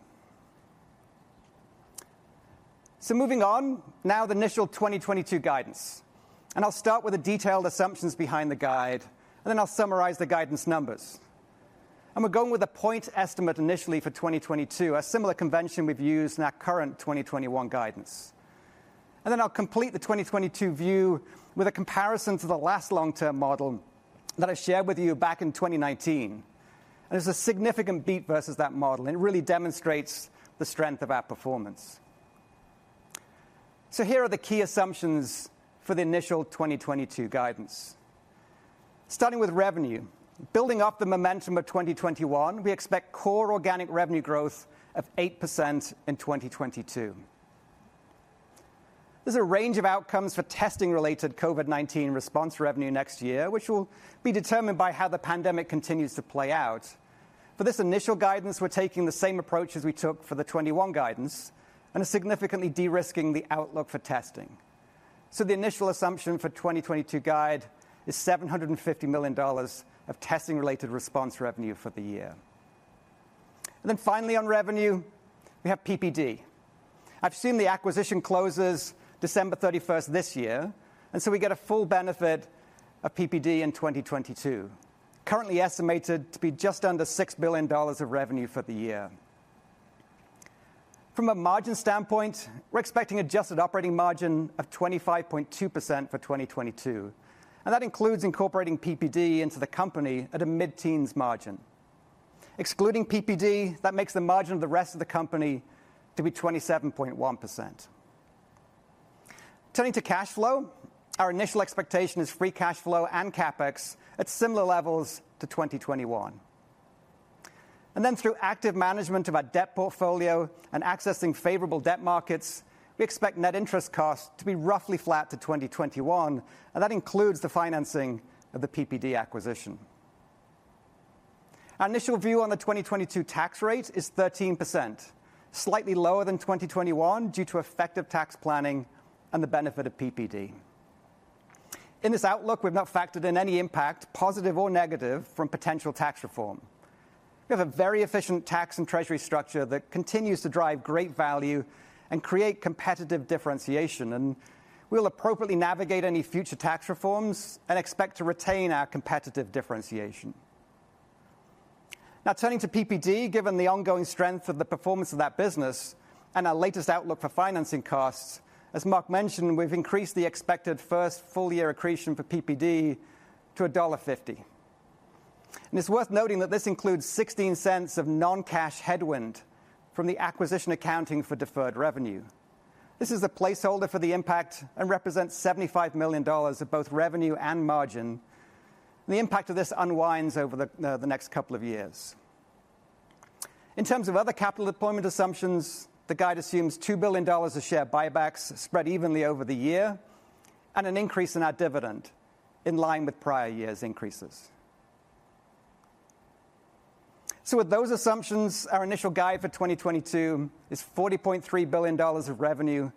Moving on, now the initial 2022 guidance, I'll start with the detailed assumptions behind the guide, then I'll summarize the guidance numbers. We're going with a point estimate initially for 2022, a similar convention we've used in our current 2021 guidance. Then I'll complete the 2022 view with a comparison to the last long-term model that I shared with you back in 2019, it's a significant beat versus that model, it really demonstrates the strength of our performance. Here are the key assumptions for the initial 2022 guidance. Starting with revenue. Building off the momentum of 2021, we expect core organic revenue growth of 8% in 2022. There's a range of outcomes for testing-related COVID-19 response revenue next year, which will be determined by how the pandemic continues to play out. For this initial guidance, we're taking the same approach as we took for the 2021 guidance and are significantly de-risking the outlook for testing. The initial assumption for 2022 guide is $750 million of testing-related response revenue for the year. Finally on revenue, we have PPD. As stated, the acquisition closes December 31st this year, we get a full benefit of PPD in 2022, currently estimated to be just under $6 billion of revenue for the year. From a margin standpoint, we're expecting adjusted operating margin of 25.2% for 2022, and that includes incorporating PPD into the company at a mid-teens margin. Excluding PPD, that makes the margin of the rest of the company to be 27.1%. Turning to cash flow, our initial expectation is free cash flow and CapEx at similar levels to 2021. Through active management of our debt portfolio and accessing favorable debt markets, we expect net interest costs to be roughly flat to 2021, and that includes the financing of the PPD acquisition. Our initial view on the 2022 tax rate is 13%, slightly lower than 2021 due to effective tax planning and the benefit of PPD. In this outlook, we've not factored in any impact, positive or negative, from potential tax reform. We have a very efficient tax and treasury structure that continues to drive great value and create competitive differentiation, and we'll appropriately navigate any future tax reforms and expect to retain our competitive differentiation. Now turning to PPD, given the ongoing strength of the performance of that business and our latest outlook for financing costs, as Marc mentioned, we've increased the expected first full year accretion for PPD to $1.50. It's worth noting that this includes $0.16 of non-cash headwind from the acquisition accounting for deferred revenue. This is a placeholder for the impact and represents $75 million of both revenue and margin. The impact of this unwinds over the next couple of years. In terms of other capital deployment assumptions, the guide assumes $2 billion of share buybacks spread evenly over the year and an increase in our dividend in line with prior years' increases. With those assumptions, our initial guide for 2022 is $40.3 billion of revenue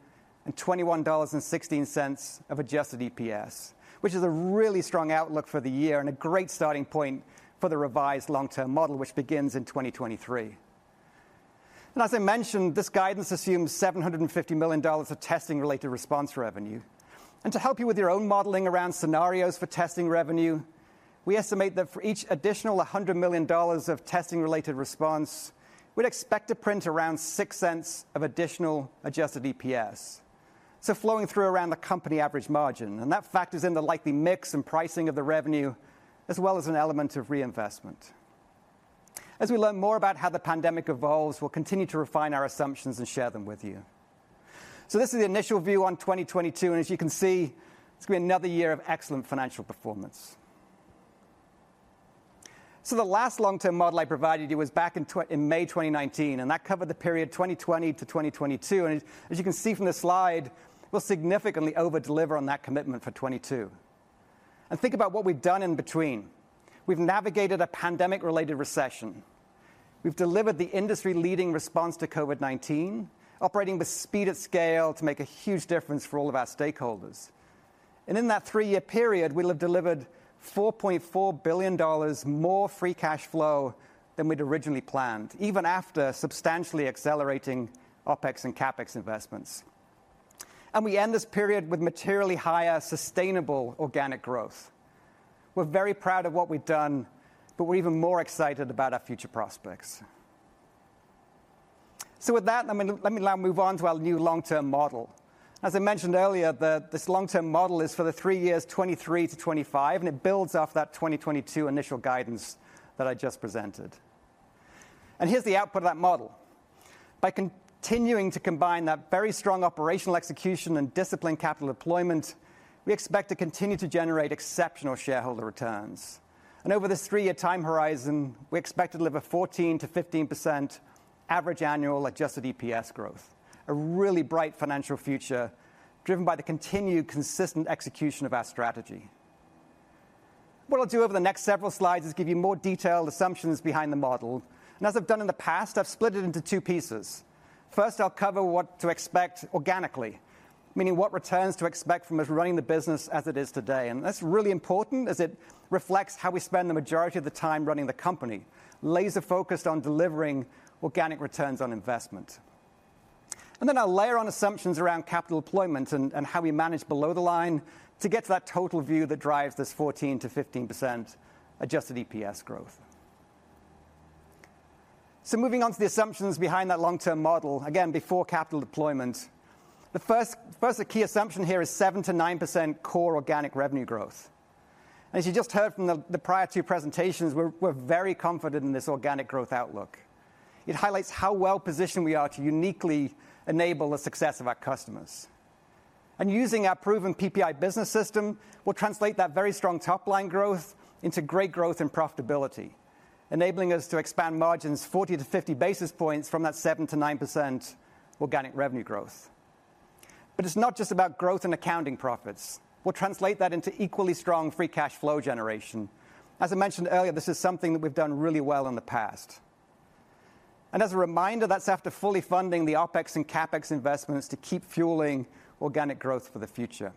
and $21.16 of adjusted EPS, which is a really strong outlook for the year and a great starting point for the revised long-term model which begins in 2023. As I mentioned, this guidance assumes $750 million of testing-related response revenue. To help you with your own modeling around scenarios for testing revenue, we estimate that for each additional $100 million of testing-related response, we'd expect to print around $0.06 of additional adjusted EPS, so flowing through around the company average margin. That factors in the likely mix and pricing of the revenue as well as an element of reinvestment. As we learn more about how the pandemic evolves, we'll continue to refine our assumptions and share them with you. This is the initial view on 2022, and as you can see, it's gonna be another year of excellent financial performance. The last long-term model I provided you was back in May 2019, and that covered the period 2020 to 2022, and as you can see from the slide, we'll significantly over-deliver on that commitment for 2022. Think about what we've done in between. We've navigated a pandemic-related recession. We've delivered the industry-leading response to COVID-19, operating with speed and scale to make a huge difference for all of our stakeholders. In that three-year period, we'll have delivered $4.4 billion more free cash flow than we'd originally planned, even after substantially accelerating OpEx and CapEx investments. We end this period with materially higher sustainable organic growth. We're very proud of what we've done, but we're even more excited about our future prospects. With that, let me now move on to our new long-term model. As I mentioned earlier, this long-term model is for the three years 2023-2025, and it builds off that 2022 initial guidance that I just presented. Here's the output of that model. By continuing to combine that very strong operational execution and disciplined capital deployment, we expect to continue to generate exceptional shareholder returns. Over this three-year time horizon, we expect to deliver 14%-15% average annual adjusted EPS growth, a really bright financial future driven by the continued consistent execution of our strategy. What I'll do over the next several slides is give you more detailed assumptions behind the model. As I've done in the past, I've split it into two pieces. First, I'll cover what to expect organically, meaning what returns to expect from us running the business as it is today, and that's really important as it reflects how we spend the majority of the time running the company, laser-focused on delivering organic returns on investment. Then I'll layer on assumptions around capital deployment and how we manage below the line to get to that total view that drives this 14%-15% adjusted EPS growth. Moving on to the assumptions behind that long-term model, again, before capital deployment. The first key assumption here is 7%-9% core organic revenue growth. As you just heard from the prior two presentations, we're very confident in this organic growth outlook. It highlights how well-positioned we are to uniquely enable the success of our customers. Using our proven PPI Business System, we'll translate that very strong top-line growth into great growth and profitability, enabling us to expand margins 40 to 50 basis points from that 7%-9% organic revenue growth. It's not just about growth and accounting profits. We'll translate that into equally strong free cash flow generation. As I mentioned earlier, this is something that we've done really well in the past. As a reminder, that's after fully funding the OpEx and CapEx investments to keep fueling organic growth for the future.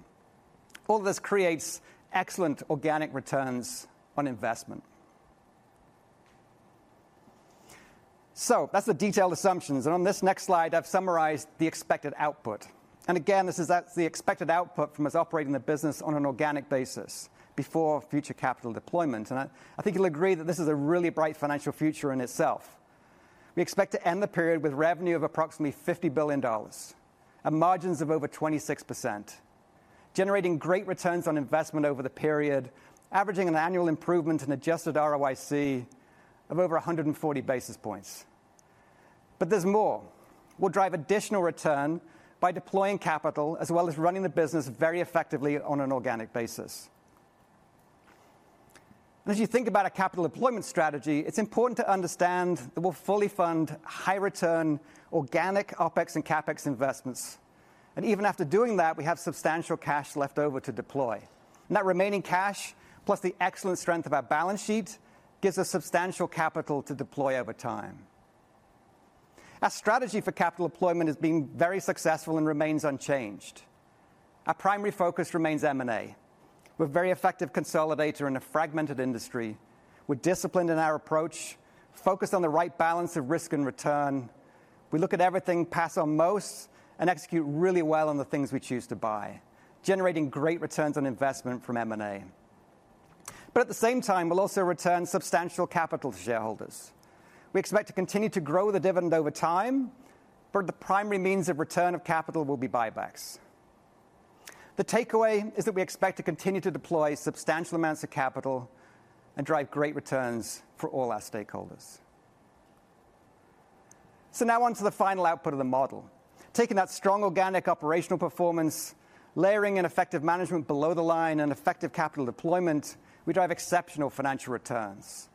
All this creates excellent organic returns on investment. That's the detailed assumptions, and on this next slide, I've summarized the expected output. Again, that's the expected output from us operating the business on an organic basis before future capital deployment. I think you'll agree that this is a really bright financial future in itself. We expect to end the period with revenue of approximately $50 billion and margins of over 26%, generating great returns on investment over the period, averaging an annual improvement in adjusted ROIC of over 140 basis points. There's more. We'll drive additional return by deploying capital as well as running the business very effectively on an organic basis. As you think about a capital deployment strategy, it's important to understand that we'll fully fund high return organic OpEx and CapEx investments. Even after doing that, we have substantial cash left over to deploy. That remaining cash, plus the excellent strength of our balance sheet, gives us substantial capital to deploy over time. Our strategy for capital deployment has been very successful and remains unchanged. Our primary focus remains M&A. We're a very effective consolidator in a fragmented industry. We're disciplined in our approach, focused on the right balance of risk and return. We look at everything, pass on most, and execute really well on the things we choose to buy, generating great returns on investment from M&A. At the same time, we'll also return substantial capital to shareholders. We expect to continue to grow the dividend over time, but the primary means of return of capital will be buybacks. The takeaway is that we expect to continue to deploy substantial amounts of capital and drive great returns for all our stakeholders. Now on to the final output of the model. Taking that strong organic operational performance, layering in effective management below the line and effective capital deployment, we drive exceptional financial returns.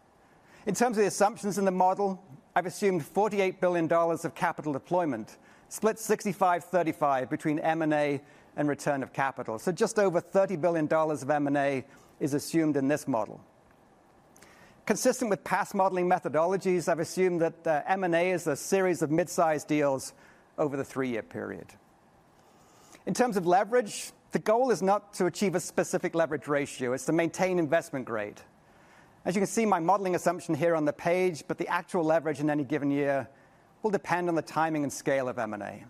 In terms of the assumptions in the model, I've assumed $48 billion of capital deployment, split 65/35 between M&A and return of capital. Just over $30 billion of M&A is assumed in this model. Consistent with past modeling methodologies, I've assumed that M&A is a series of mid-sized deals over the three-year period. In terms of leverage, the goal is not to achieve a specific leverage ratio. It's to maintain investment grade. As you can see my modeling assumption here on the page, but the actual leverage in any given year will depend on the timing and scale of M&A.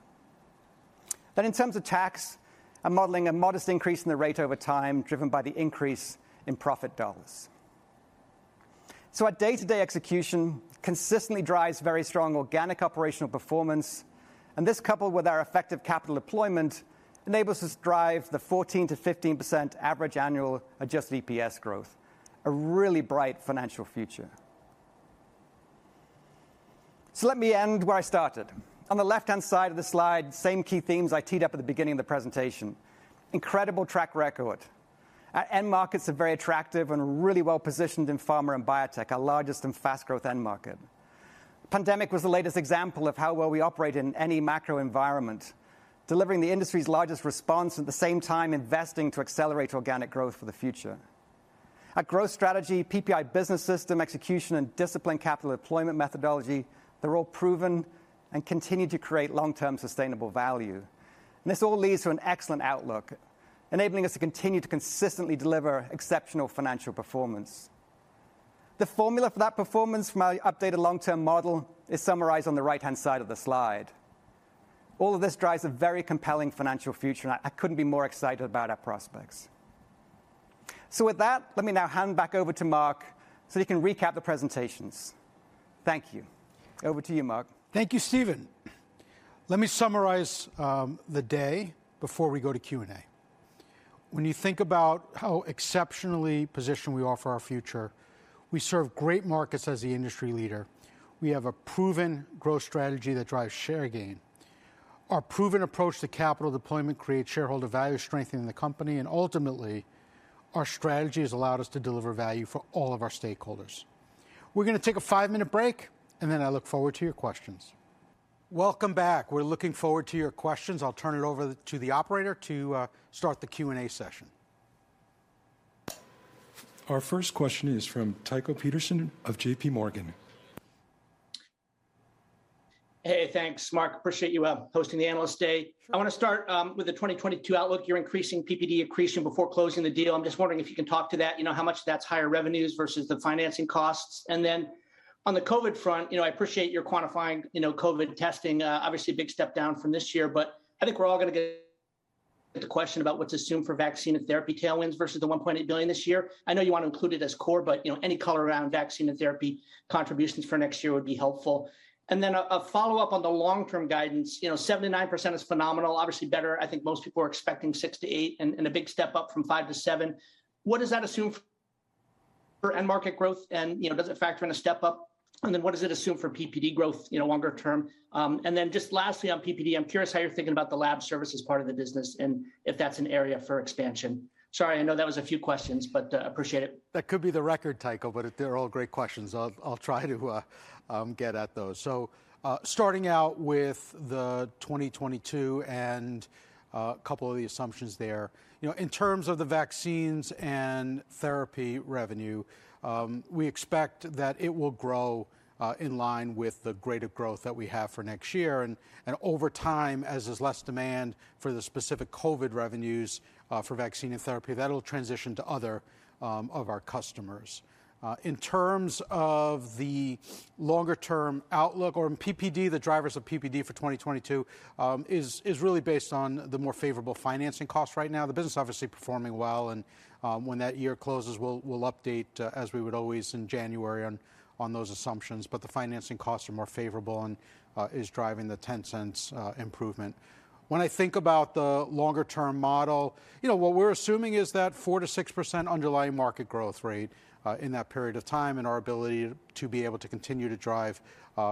In terms of tax, I'm modeling a modest increase in the rate over time, driven by the increase in profit dollars. Our day-to-day execution consistently drives very strong organic operational performance, and this coupled with our effective capital deployment enables us to drive the 14%-15% average annual adjusted EPS growth, a really bright financial future. Let me end where I started. On the left-hand side of the slide, same key themes I teed up at the beginning of the presentation. Incredible track record. Our end markets are very attractive and really well-positioned in pharma and biotech, our largest and fast-growth end market. Pandemic was the latest example of how well we operate in any macro environment, delivering the industry's largest response, at the same time investing to accelerate organic growth for the future. Our growth strategy, PPI Business System, execution, and disciplined capital deployment methodology, they're all proven and continue to create long-term sustainable value. This all leads to an excellent outlook, enabling us to continue to consistently deliver exceptional financial performance. The formula for that performance from my updated long-term model is summarized on the right-hand side of the slide. All of this drives a very compelling financial future, and I couldn't be more excited about our prospects. With that, let me now hand back over to Marc so he can recap the presentations. Thank you. Over to you, Marc. Thank you, Stephen. Let me summarize the day before we go to Q&A. When you think about how exceptionally positioned we are for our future, we serve great markets as the industry leader. We have a proven growth strategy that drives share gain. Our proven approach to capital deployment creates shareholder value, strengthening the company, ultimately, our strategy has allowed us to deliver value for all of our stakeholders. We're gonna take a five-minute break, then I look forward to your questions. Welcome back. We're looking forward to your questions. I'll turn it over to the operator to start the Q&A session. Our first question is from Tycho Peterson of JPMorgan. Hey, thanks, Marc. Appreciate you hosting the Analyst Day. I wanna start with the 2022 outlook. You're increasing PPD accretion before closing the deal. I'm just wondering if you can talk to that, you know, how much that's higher revenues versus the financing costs. On the COVID front, you know, I appreciate your quantifying, you know, COVID testing. Obviously a big step down from this year, I think we're all gonna get to the question about what's assumed for vaccine and therapy tailwinds versus the $1.8 billion this year. I know you wanna include it as core, you know, any color around vaccine and therapy contributions for next year would be helpful. A follow-up on the long-term guidance. You know, 7%-9% is phenomenal, obviously better. I think most people are expecting 6%-8% and a big step up from 5%-7%. What does that assume for end market growth? Does it factor in a step-up? What does it assume for PPD growth, you know, longer term? Lastly on PPD, I'm curious how you're thinking about the lab services part of the business and if that's an area for expansion. Sorry, I know that was a few questions, but appreciate it. That could be the record, Tycho, they're all great questions. I'll try to get at those. Starting out with the 2022 and couple of the assumptions there. You know, in terms of the vaccines and therapy revenue, we expect that it will grow in line with the greater growth that we have for next year. Over time, as there's less demand for the specific COVID revenues, for vaccine and therapy, that'll transition to other of our customers. In terms of the longer-term outlook or PPD, the drivers of PPD for 2022 is really based on the more favorable financing costs right now. The business obviously performing well, and when that year closes, we'll update as we would always in January on those assumptions. The financing costs are more favorable and is driving the $0.10 improvement. When I think about the longer-term model, you know, what we're assuming is that 4%-6% underlying market growth rate in that period of time and our ability to be able to continue to drive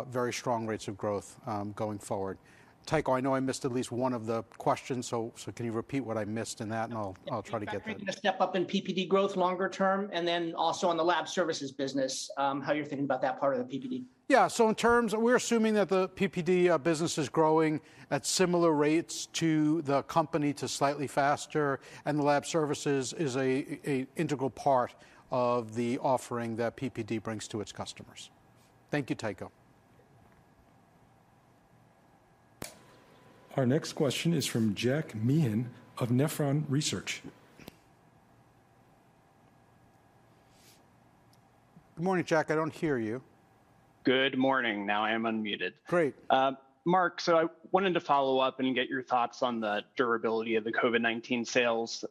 very strong rates of growth going forward. Tycho, I know I missed at least one of the questions, so can you repeat what I missed in that, and I'll try to get that. Yeah. Factoring a step-up in PPD growth longer term, and then also on the lab services business, how you're thinking about that part of the PPD? Yeah. In terms, we're assuming that the PPD business is growing at similar rates to the company to slightly faster, the lab services is a integral part of the offering that PPD brings to its customers. Thank you, Tycho. Our next question is from Jack Meehan of Nephron Research. Good morning, Jack. I don't hear you. Good morning. Now I am unmuted. Great. Marc, I wanted to follow up and get your thoughts on the durability of the COVID-19 sales.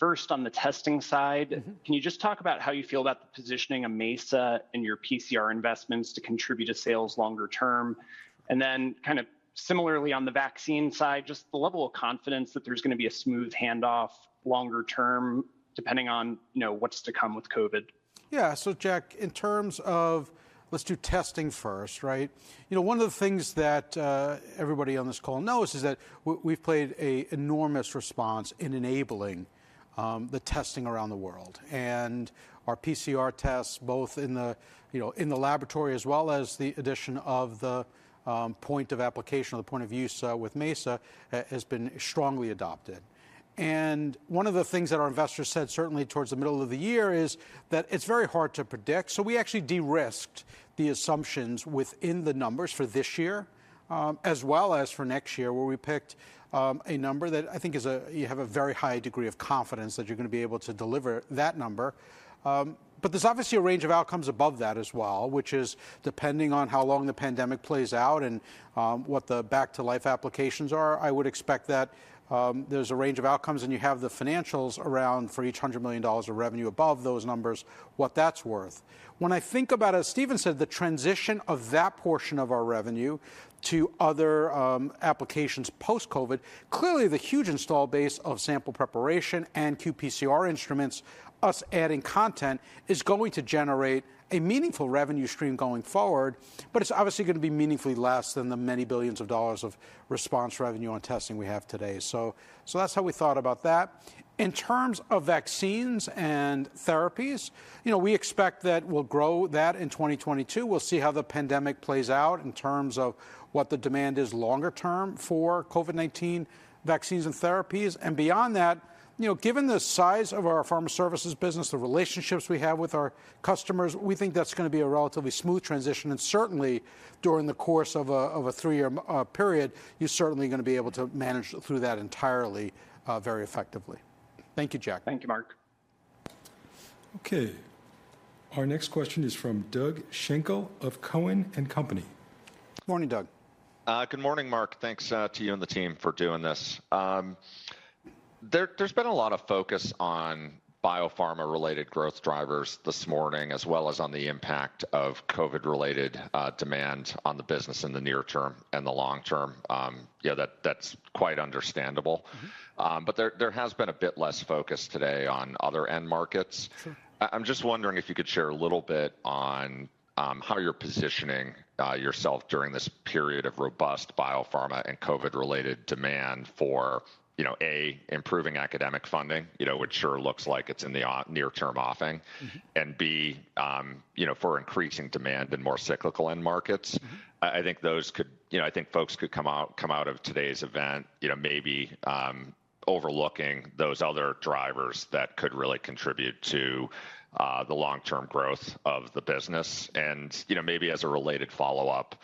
First, on the testing side. Can you just talk about how you feel about the positioning of Mesa and your PCR investments to contribute to sales longer term? Kind of similarly on the vaccine side, just the level of confidence that there's gonna be a smooth handoff longer term, depending on, you know, what's to come with COVID? Yeah. Jack, in terms of, let's do testing first, right? You know, one of the things that everybody on this call knows is that we've played a enormous response in enabling the testing around the world and our PCR tests, both in the, you know, in the laboratory as well as the addition of the point of application or the point of use with Mesa, has been strongly adopted. One of the things that our investors said certainly towards the middle of the year is that it's very hard to predict, so we actually de-risked the assumptions within the numbers for this year, as well as for next year, where we picked a number that I think is a, you have a very high degree of confidence that you're gonna be able to deliver that number. There's obviously a range of outcomes above that as well, which is depending on how long the pandemic plays out and what the back to life applications are. I would expect that there's a range of outcomes, and you have the financials around for each $100 million of revenue above those numbers, what that's worth. When I think about, as Stephen said, the transition of that portion of our revenue to other applications post-COVID, clearly the huge install base of sample preparation and qPCR instruments, us adding content, is going to generate a meaningful revenue stream going forward, but it's obviously gonna be meaningfully less than the many billions of dollars of response revenue on testing we have today. That's how we thought about that. In terms of vaccines and therapies, you know, we expect that we'll grow that in 2022. We'll see how the pandemic plays out in terms of what the demand is longer term for COVID-19 vaccines and therapies. Beyond that, you know, given the size of our pharma services business, the relationships we have with our customers, we think that's gonna be a relatively smooth transition. Certainly during the course of a three-year period, you're certainly gonna be able to manage through that entirely very effectively. Thank you, Jack. Thank you, Marc. Our next question is from Doug Schenkel of Cowen and Company. Morning, Doug. Good morning, Marc. Thanks to you and the team for doing this. There's been a lot of focus on biopharma related growth drivers this morning, as well as on the impact of COVID related demand on the business in the near term and the long term. Yeah, that's quite understandable. There has been a bit less focus today on other end markets. Sure. I'm just wondering if you could share a little bit on how you're positioning yourself during this period of robust biopharma and COVID related demand for, you know, A, improving academic funding, you know, which sure looks like it's in the near term offing. B, you know, for increasing demand in more cyclical end markets. You know, I think folks could come out of today's event, you know, maybe overlooking those other drivers that could really contribute to the long-term growth of the business. You know, maybe as a related follow-up,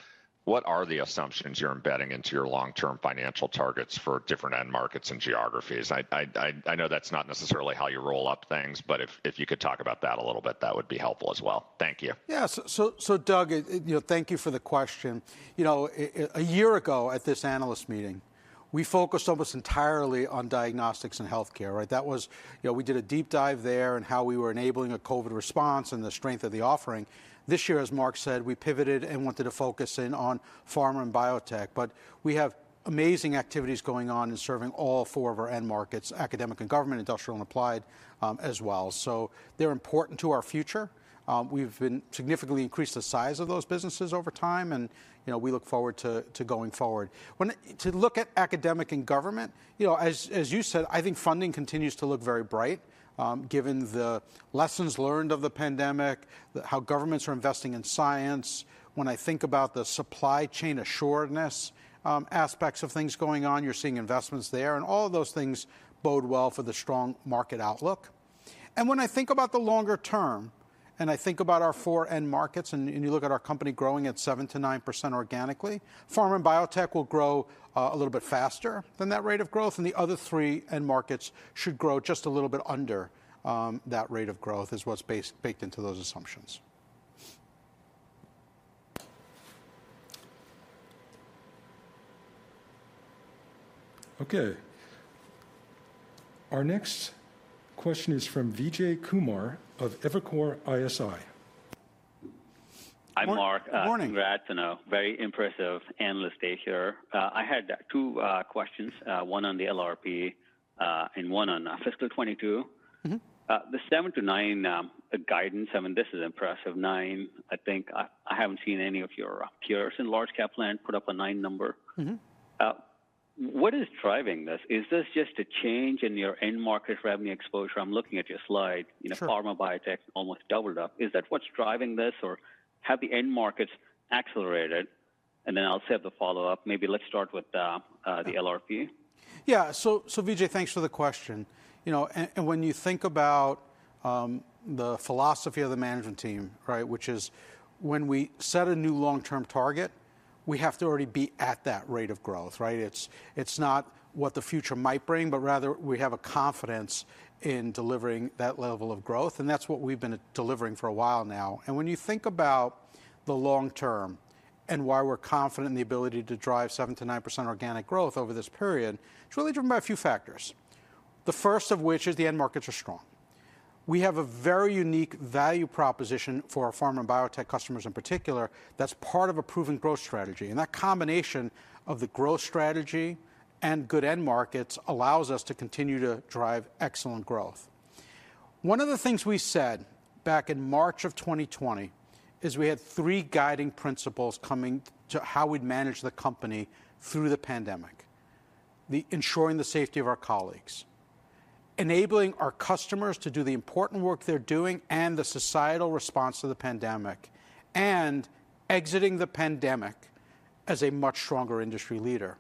what are the assumptions you're embedding into your long-term financial targets for different end markets and geographies? I know that's not necessarily how you roll up things, but if you could talk about that a little bit, that would be helpful as well. Thank you. Doug, you know, thank you for the question. you know, a year ago at this analyst meeting, we focused almost entirely on diagnostics and healthcare, right? You know, we did a deep dive there and how we were enabling a COVID response and the strength of the offering. This year, as Mark said, we pivoted and wanted to focus in on pharma and biotech, but we have amazing activities going on in serving all four of our end markets, academic and government, industrial and applied, as well. They're important to our future. We've significantly increased the size of those businesses over time and, you know, we look forward to going forward. To look at academic and government, you know, as you said, I think funding continues to look very bright, given the lessons learned of the pandemic, how governments are investing in science. When I think about the supply chain assuredness, aspects of things going on, you're seeing investments there. All of those things bode well for the strong market outlook. When I think about the longer term, I think about our four end markets and you look at our company growing at 7%-9% organically, pharma and biotech will grow a little bit faster than that rate of growth, and the other three end markets should grow just a little bit under that rate of growth is what's baked into those assumptions. Okay. Our next question is from Vijay Kumar of Evercore ISI. Hi, Marc. Morning. Congrats on a very impressive analyst day here. I had two questions, one on the LRP, and one on fiscal 2022. The 7%-9% guidance, I mean, this is impressive. 9%, I think, I haven't seen any of your peers in large cap land put up a 9% number. What is driving this? Is this just a change in your end market revenue exposure? I'm looking at your slide. You know, pharma, biotech almost doubled up. Is that what's driving this, or have the end markets accelerated? Then I'll set the follow-up. Maybe let's start with the LRP. Yeah. So Vijay, thanks for the question. You know, and when you think about the philosophy of the management team, right, which is when we set a new long-term target, we have to already be at that rate of growth, right? It's not what the future might bring, but rather we have a confidence in delivering that level of growth, and that's what we've been delivering for a while now. When you think about the long term and why we're confident in the ability to drive 7%-9% organic growth over this period, it's really driven by a few factors. The first of which is the end markets are strong. We have a very unique value proposition for our pharma and biotech customers in particular that's part of a proven growth strategy, and that combination of the growth strategy and good end markets allows us to continue to drive excellent growth. One of the things we said back in March of 2020 is we had three guiding principles coming to how we'd manage the company through the pandemic. The ensuring the safety of our colleagues, enabling our customers to do the important work they're doing and the societal response to the pandemic, and exiting the pandemic as a much stronger industry leader.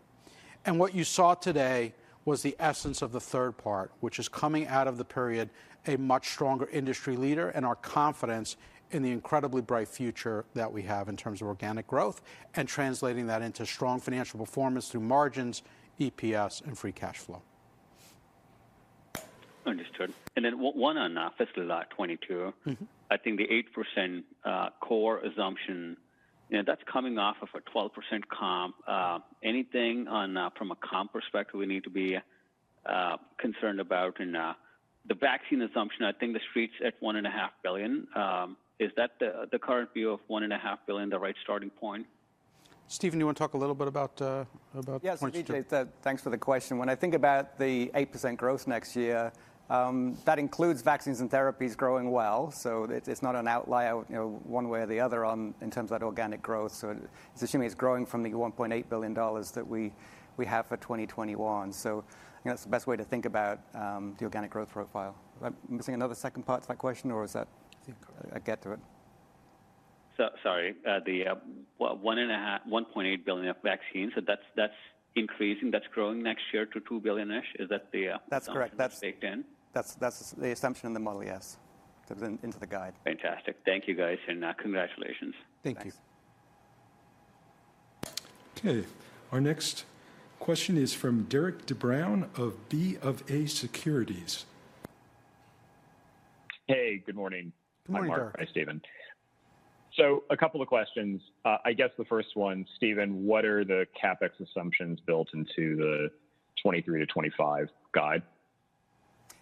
What you saw today was the essence of the third part, which is coming out of the period a much stronger industry leader, and our confidence in the incredibly bright future that we have in terms of organic growth, and translating that into strong financial performance through margins, EPS, and free cash flow. Understood. One on fiscal 2022. I think the 8% core assumption, you know, that's coming off of a 12% comp. Anything on from a comp perspective we need to be concerned about? The vaccine assumption, I think the switch at $1.5 billion. Is that the current view of $1.5 billion the right starting point? Stephen, you wanna talk a little bit about 2022? Yes, Vijay, thanks for the question. When I think about the 8% growth next year, that includes vaccines and therapies growing well, so it's not an outlier, you know, one way or the other, in terms of that organic growth. It's assuming it's growing from the $1.8 billion that we have for 2021. I think that's the best way to think about the organic growth profile. Am I missing another second part to that question or is that? I think- I get to it? Sorry, the $1.5 billion-$1.8 billion of vaccines, that's increasing, that's growing next year to $2 billion-ish? Is that the? That's correct. Assumption baked in? That's the assumption in the model, yes. Into the guide. Fantastic. Thank you, guys, and congratulations. Thanks. Thank you. Okay. Our next question is from Derik De Bruin of BofA Securities. Hey, good morning. Good morning, Derik. Hi, Marc. Hi, Stephen. A couple of questions. I guess the first one, Stephen, what are the CapEx assumptions built into the 2023-2025 guide?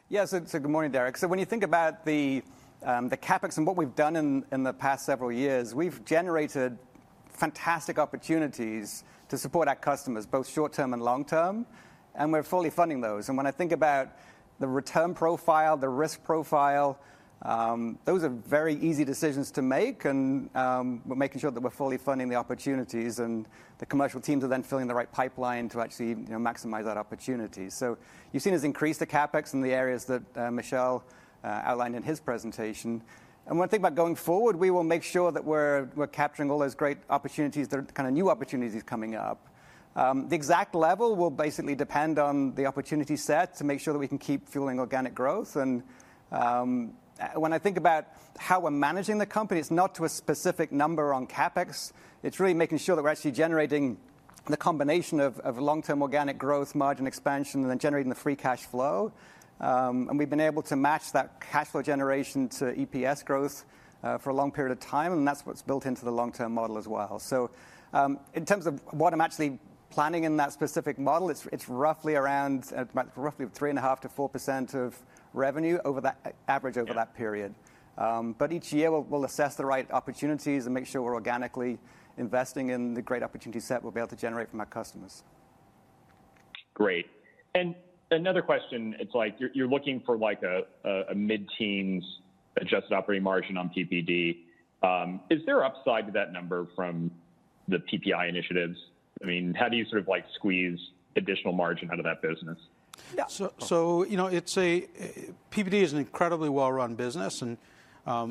Yeah, good morning, Derik. When you think about the CapEx and what we've done in the past several years, we've generated fantastic opportunities to support our customers, both short term and long term, and we're fully funding those. When I think about the return profile, the risk profile, those are very easy decisions to make and we're making sure that we're fully funding the opportunities and the commercial teams are then filling the right pipeline to actually, you know, maximize that opportunity. You've seen us increase the CapEx in the areas that Michel outlined in his presentation. When I think about going forward, we're capturing all those great opportunities that are kind of new opportunities coming up. The exact level will basically depend on the opportunity set to make sure that we can keep fueling organic growth. When I think about how we're managing the company, it's not to a specific number on CapEx. It's really making sure that we're actually generating the combination of long-term organic growth, margin expansion, and then generating the free cash flow. We've been able to match that cash flow generation to EPS growth for a long period of time, and that's what's built into the long-term model as well. In terms of what I'm actually planning in that specific model, it's roughly around about roughly 3.5%-4% of revenue over that average over that period. Each year we'll assess the right opportunities and make sure we're organically investing in the great opportunity set we'll be able to generate from our customers. Great. Another question, it's like you're looking for like a mid-teens adjusted operating margin on PPD. Is there upside to that number from the PPI initiatives? I mean, how do you sort of like squeeze additional margin out of that business? Yeah. You know, PPD is an incredibly well-run business, and,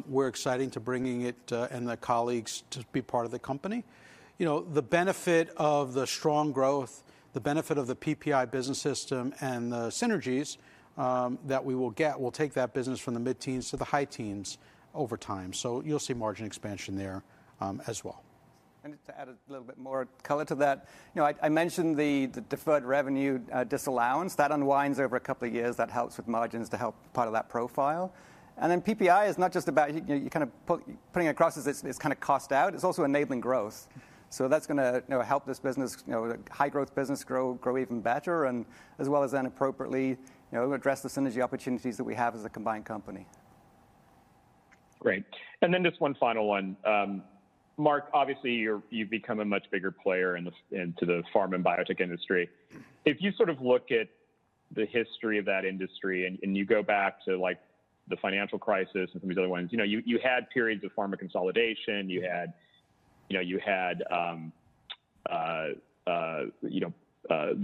we're exciting to bringing it, and the colleagues to be part of the company. You know, the benefit of the strong growth, the benefit of the PPI Business System and the synergies, that we will get will take that business from the mid-teens to the high teens over time. you'll see margin expansion there, as well. Just to add a little bit more color to that, you know, I mentioned the deferred revenue disallowance. That unwinds over a couple of years. That helps with margins to help part of that profile. PPI is not just about, you know, putting across as it's kind of cost out. It's also enabling growth. That's gonna, you know, help this business, you know, the high growth business grow even better and as well as then appropriately, you know, address the synergy opportunities that we have as a combined company. Great. Then just one final one. Marc, obviously you've become a much bigger player into the pharma and biotech industry. If you sort of look at the history of that industry and you go back to like the financial crisis and some of these other ones, you had periods of pharma consolidation. You had the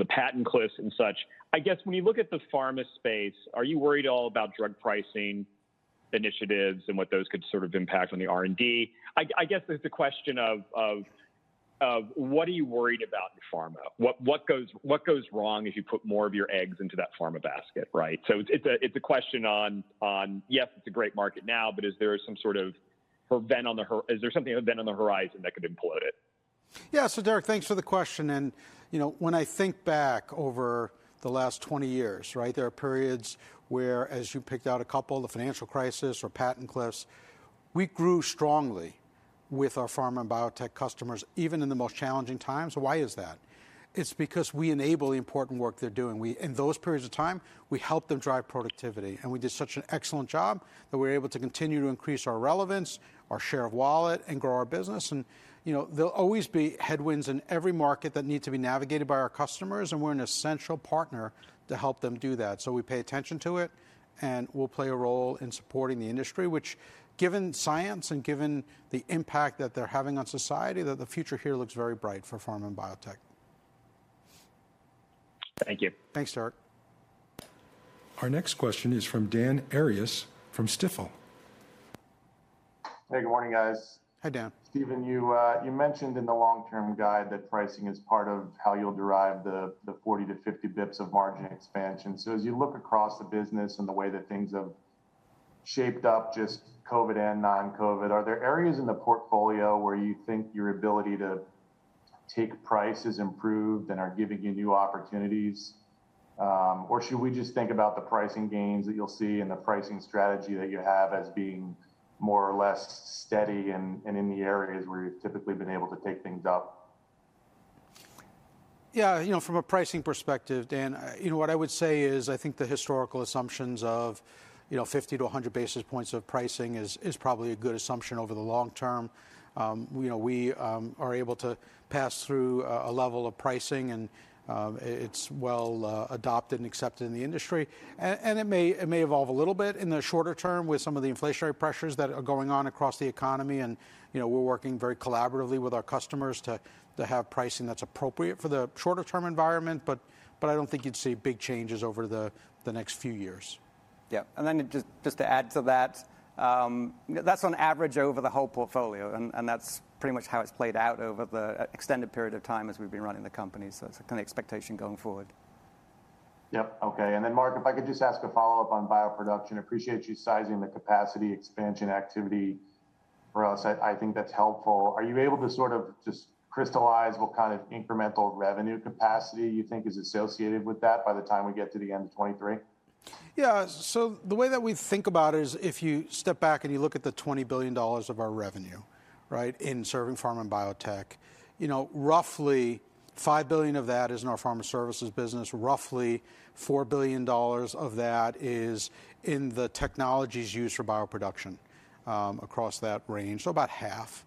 patent cliffs and such. I guess when you look at the pharma space, are you worried at all about drug pricing initiatives and what those could sort of impact on the R&D. I guess it's the question of what are you worried about in pharma? What goes wrong if you put more of your eggs into that pharma basket, right? It's a question on, yes, it's a great market now, but is there something event on the horizon that could implode it? Yeah. Derik, thanks for the question. You know, when I think back over the last 20 years, right, there are periods where, as you picked out a couple, the financial crisis or patent cliffs, we grew strongly with our pharma and biotech customers, even in the most challenging times. Why is that? It's because we enable the important work they're doing. In those periods of time, we helped them drive productivity, and we did such an excellent job that we're able to continue to increase our relevance, our share of wallet, and grow our business. You know, there'll always be headwinds in every market that need to be navigated by our customers, and we're an essential partner to help them do that. We pay attention to it, and we'll play a role in supporting the industry, which, given science and given the impact that they're having on society, that the future here looks very bright for pharma and biotech. Thank you. Thanks, Derik. Our next question is from Dan Arias from Stifel. Hey, good morning, guys. Hi, Dan. Stephen, you mentioned in the long-term guide that pricing is part of how you'll derive the 40 to 50 basis points of margin expansion. As you look across the business and the way that things have shaped up, just COVID and non-COVID, are there areas in the portfolio where you think your ability to take prices improved and are giving you new opportunities? Should we just think about the pricing gains that you'll see and the pricing strategy that you have as being more or less steady and in the areas where you've typically been able to take things up? Yeah, you know, from a pricing perspective, Dan, you know, what I would say is I think the historical assumptions of, you know, 50 to 100 basis points of pricing is probably a good assumption over the long term. You know, we are able to pass through a level of pricing and it's well adopted and accepted in the industry. It may evolve a little bit in the shorter term with some of the inflationary pressures that are going on across the economy, and, you know, we're working very collaboratively with our customers to have pricing that's appropriate for the shorter term environment. I don't think you'd see big changes over the next few years. Yeah. Then just to add to that's on average over the whole portfolio, and that's pretty much how it's played out over the extended period of time as we've been running the company. It's a kind of expectation going forward. Yep. Okay. Then Marc, if I could just ask a follow-up on bioproduction. Appreciate you sizing the capacity expansion activity for us. I think that's helpful. Are you able to sort of just crystallize what kind of incremental revenue capacity you think is associated with that by the time we get to the end of 2023? The way that we think about it is if you step back and you look at the $20 billion of our revenue, right, in serving pharma and biotech, you know, roughly $5 billion of that is in our pharma services business. Roughly $4 billion of that is in the technologies used for bioproduction across that range, so about half.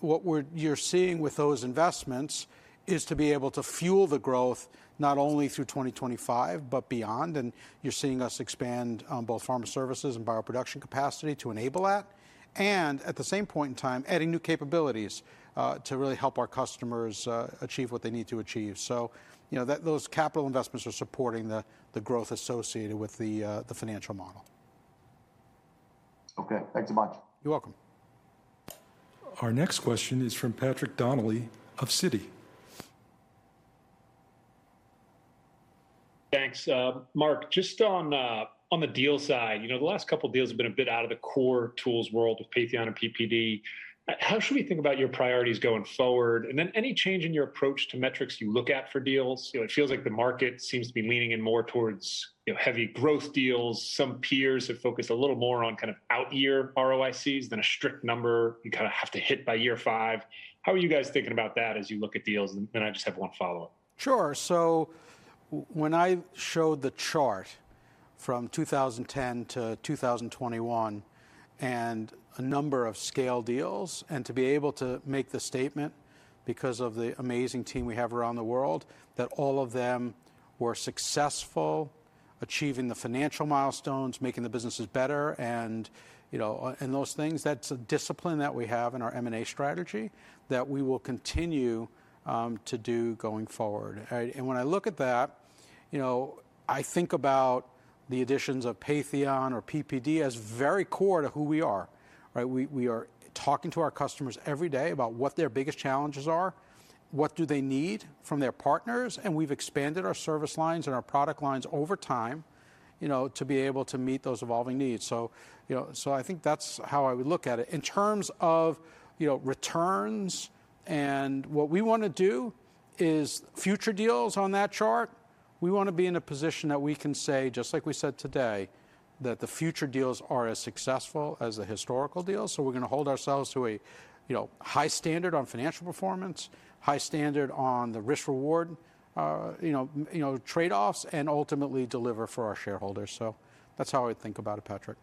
What you're seeing with those investments is to be able to fuel the growth not only through 2025, but beyond, you're seeing us expand on both pharma services and bioproduction capacity to enable that. At the same point in time, adding new capabilities to really help our customers achieve what they need to achieve. You know, those capital investments are supporting the growth associated with the financial model. Okay. Thanks so much. You're welcome. Our next question is from Patrick Donnelly of Citi. Thanks. Marc, just on the deals side, you know, the last couple of deals have been a bit out of the core tools world with Patheon and PPD. How should we think about your priorities going forward? Any change in your approach to metrics you look at for deals? You know, it feels like the market seems to be leaning in more towards, you know, heavy growth deals. Some peers have focused a little more on kind of out year ROICs than a strict number you kind of have to hit by year five. How are you guys thinking about that as you look at deals? I just have one follow-up. Sure. When I showed the chart from 2010 to 2021 and a number of scale deals, and to be able to make the statement because of the amazing team we have around the world, that all of them were successful achieving the financial milestones, making the businesses better and, you know, and those things, that's a discipline that we have in our M&A strategy that we will continue to do going forward, right? When I look at that, you know, I think about the additions of Patheon or PPD as very core to who we are, right? We are talking to our customers every day about what their biggest challenges are, what do they need from their partners, and we've expanded our service lines and our product lines over time, you know, to be able to meet those evolving needs. I think that's how I would look at it. In terms of, you know, returns and what we wanna do is future deals on that chart. We wanna be in a position that we can say, just like we said today, that the future deals are as successful as the historical deals. We're gonna hold ourselves to a, you know, high standard on financial performance, high standard on the risk-reward trade-offs, and ultimately deliver for our shareholders. That's how I think about it, Patrick.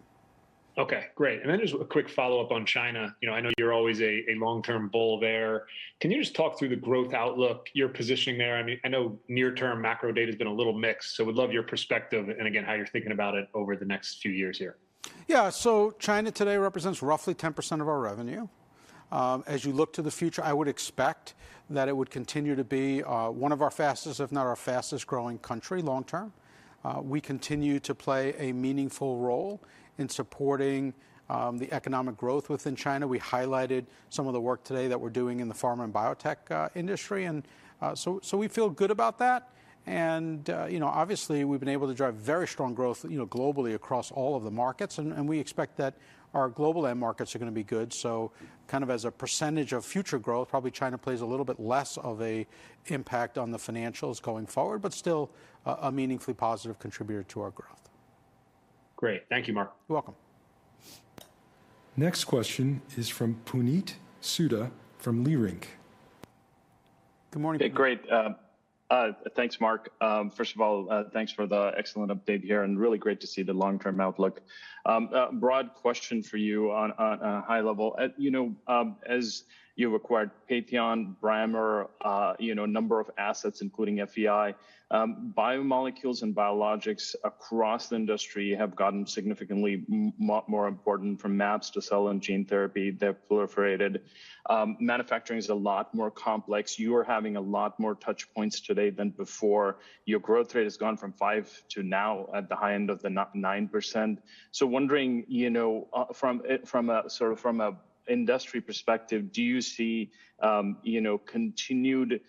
Okay. Great. Just a quick follow-up on China. You know, I know you're always a long-term bull there. Can you just talk through the growth outlook, your positioning there? I mean, I know near-term macro data's been a little mixed, so we'd love your perspective and again, how you're thinking about it over the next few years here. Yeah. China today represents roughly 10% of our revenue. As you look to the future, I would expect that it would continue to be one of our fastest, if not our fastest growing country long term. We continue to play a meaningful role in supporting the economic growth within China. We highlighted some of the work today that we're doing in the pharma and biotech industry. So we feel good about that. You know, obviously we've been able to drive very strong growth, you know, globally across all of the markets and we expect that our global end markets are gonna be good. Kind of as a percentage of future growth, probably China plays a little bit less of a impact on the financials going forward, but still a meaningfully positive contributor to our growth. Great. Thank you, Marc. You're welcome. Next question is from Puneet Souda from Leerink. Good morning, Puneet. Great. Thanks Mark. First of all, thanks for the excellent update here and really great to see the long-term outlook. A broad question for you on a high level. You know, as you acquired Patheon, Brammer, you know, a number of assets including FEI, biomolecules and biologics across the industry have gotten significantly more important from mAbs to cell and gene therapy, they're proliferated. Manufacturing's a lot more complex. You are having a lot more touch points today than before. Your growth rate has gone from 5% to now at the high end of the 9%. Wondering, you know, from a sort of from a industry perspective, do you see continued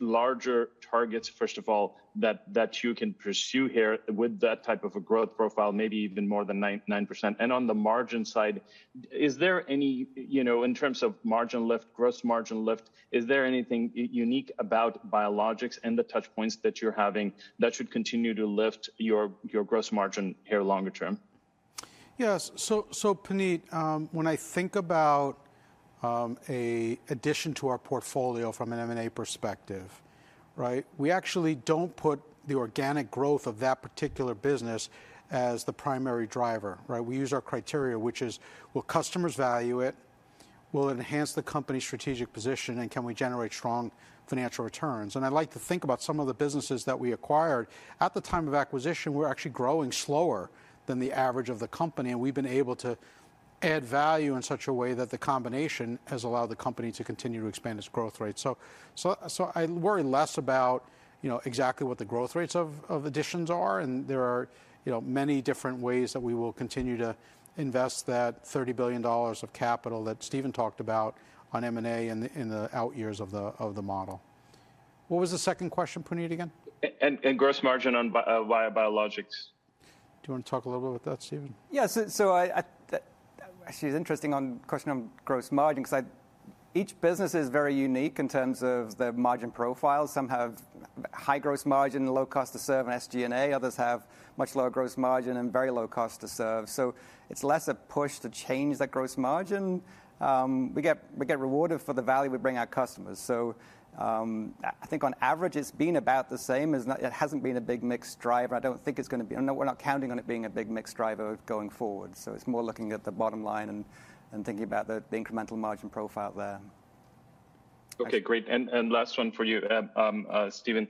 larger targets, first of all, that you can pursue here with that type of a growth profile, maybe even more than 9%? On the margin side, is there any in terms of margin lift, gross margin lift, is there anything unique about biologics and the touch points that you're having that should continue to lift your gross margin here longer term? Yes. Puneet Souda, when I think about a addition to our portfolio from an M&A perspective, right? We actually don't put the organic growth of that particular business as the primary driver, right? We use our criteria, which is, will customers value it? Will it enhance the company's strategic position, and can we generate strong financial returns? I'd like to think about some of the businesses that we acquired. At the time of acquisition, we're actually growing slower than the average of the company, and we've been able to add value in such a way that the combination has allowed the company to continue to expand its growth rate. I worry less about, you know, exactly what the growth rates of additions are, and there are, you know, many different ways that we will continue to invest that $30 billion of capital that Stephen talked about on M&A in the, in the out years of the, of the model. What was the second question, Puneet, again? Gross margin on via biologics. Do you want to talk a little bit about that, Stephen? Yes. Actually it's interesting on question on gross margin, 'cause each business is very unique in terms of their margin profile. Some have high gross margin and low cost to serve and SG&A, others have much lower gross margin and very low cost to serve. It's less a push to change that gross margin. We get rewarded for the value we bring our customers. I think on average it's been about the same. It's not, it hasn't been a big mix driver. I don't think it's gonna be, and we're not counting on it being a big mix driver going forward. It's more looking at the bottom line and thinking about the incremental margin profile there. Okay, great. Last one for you, Stephen.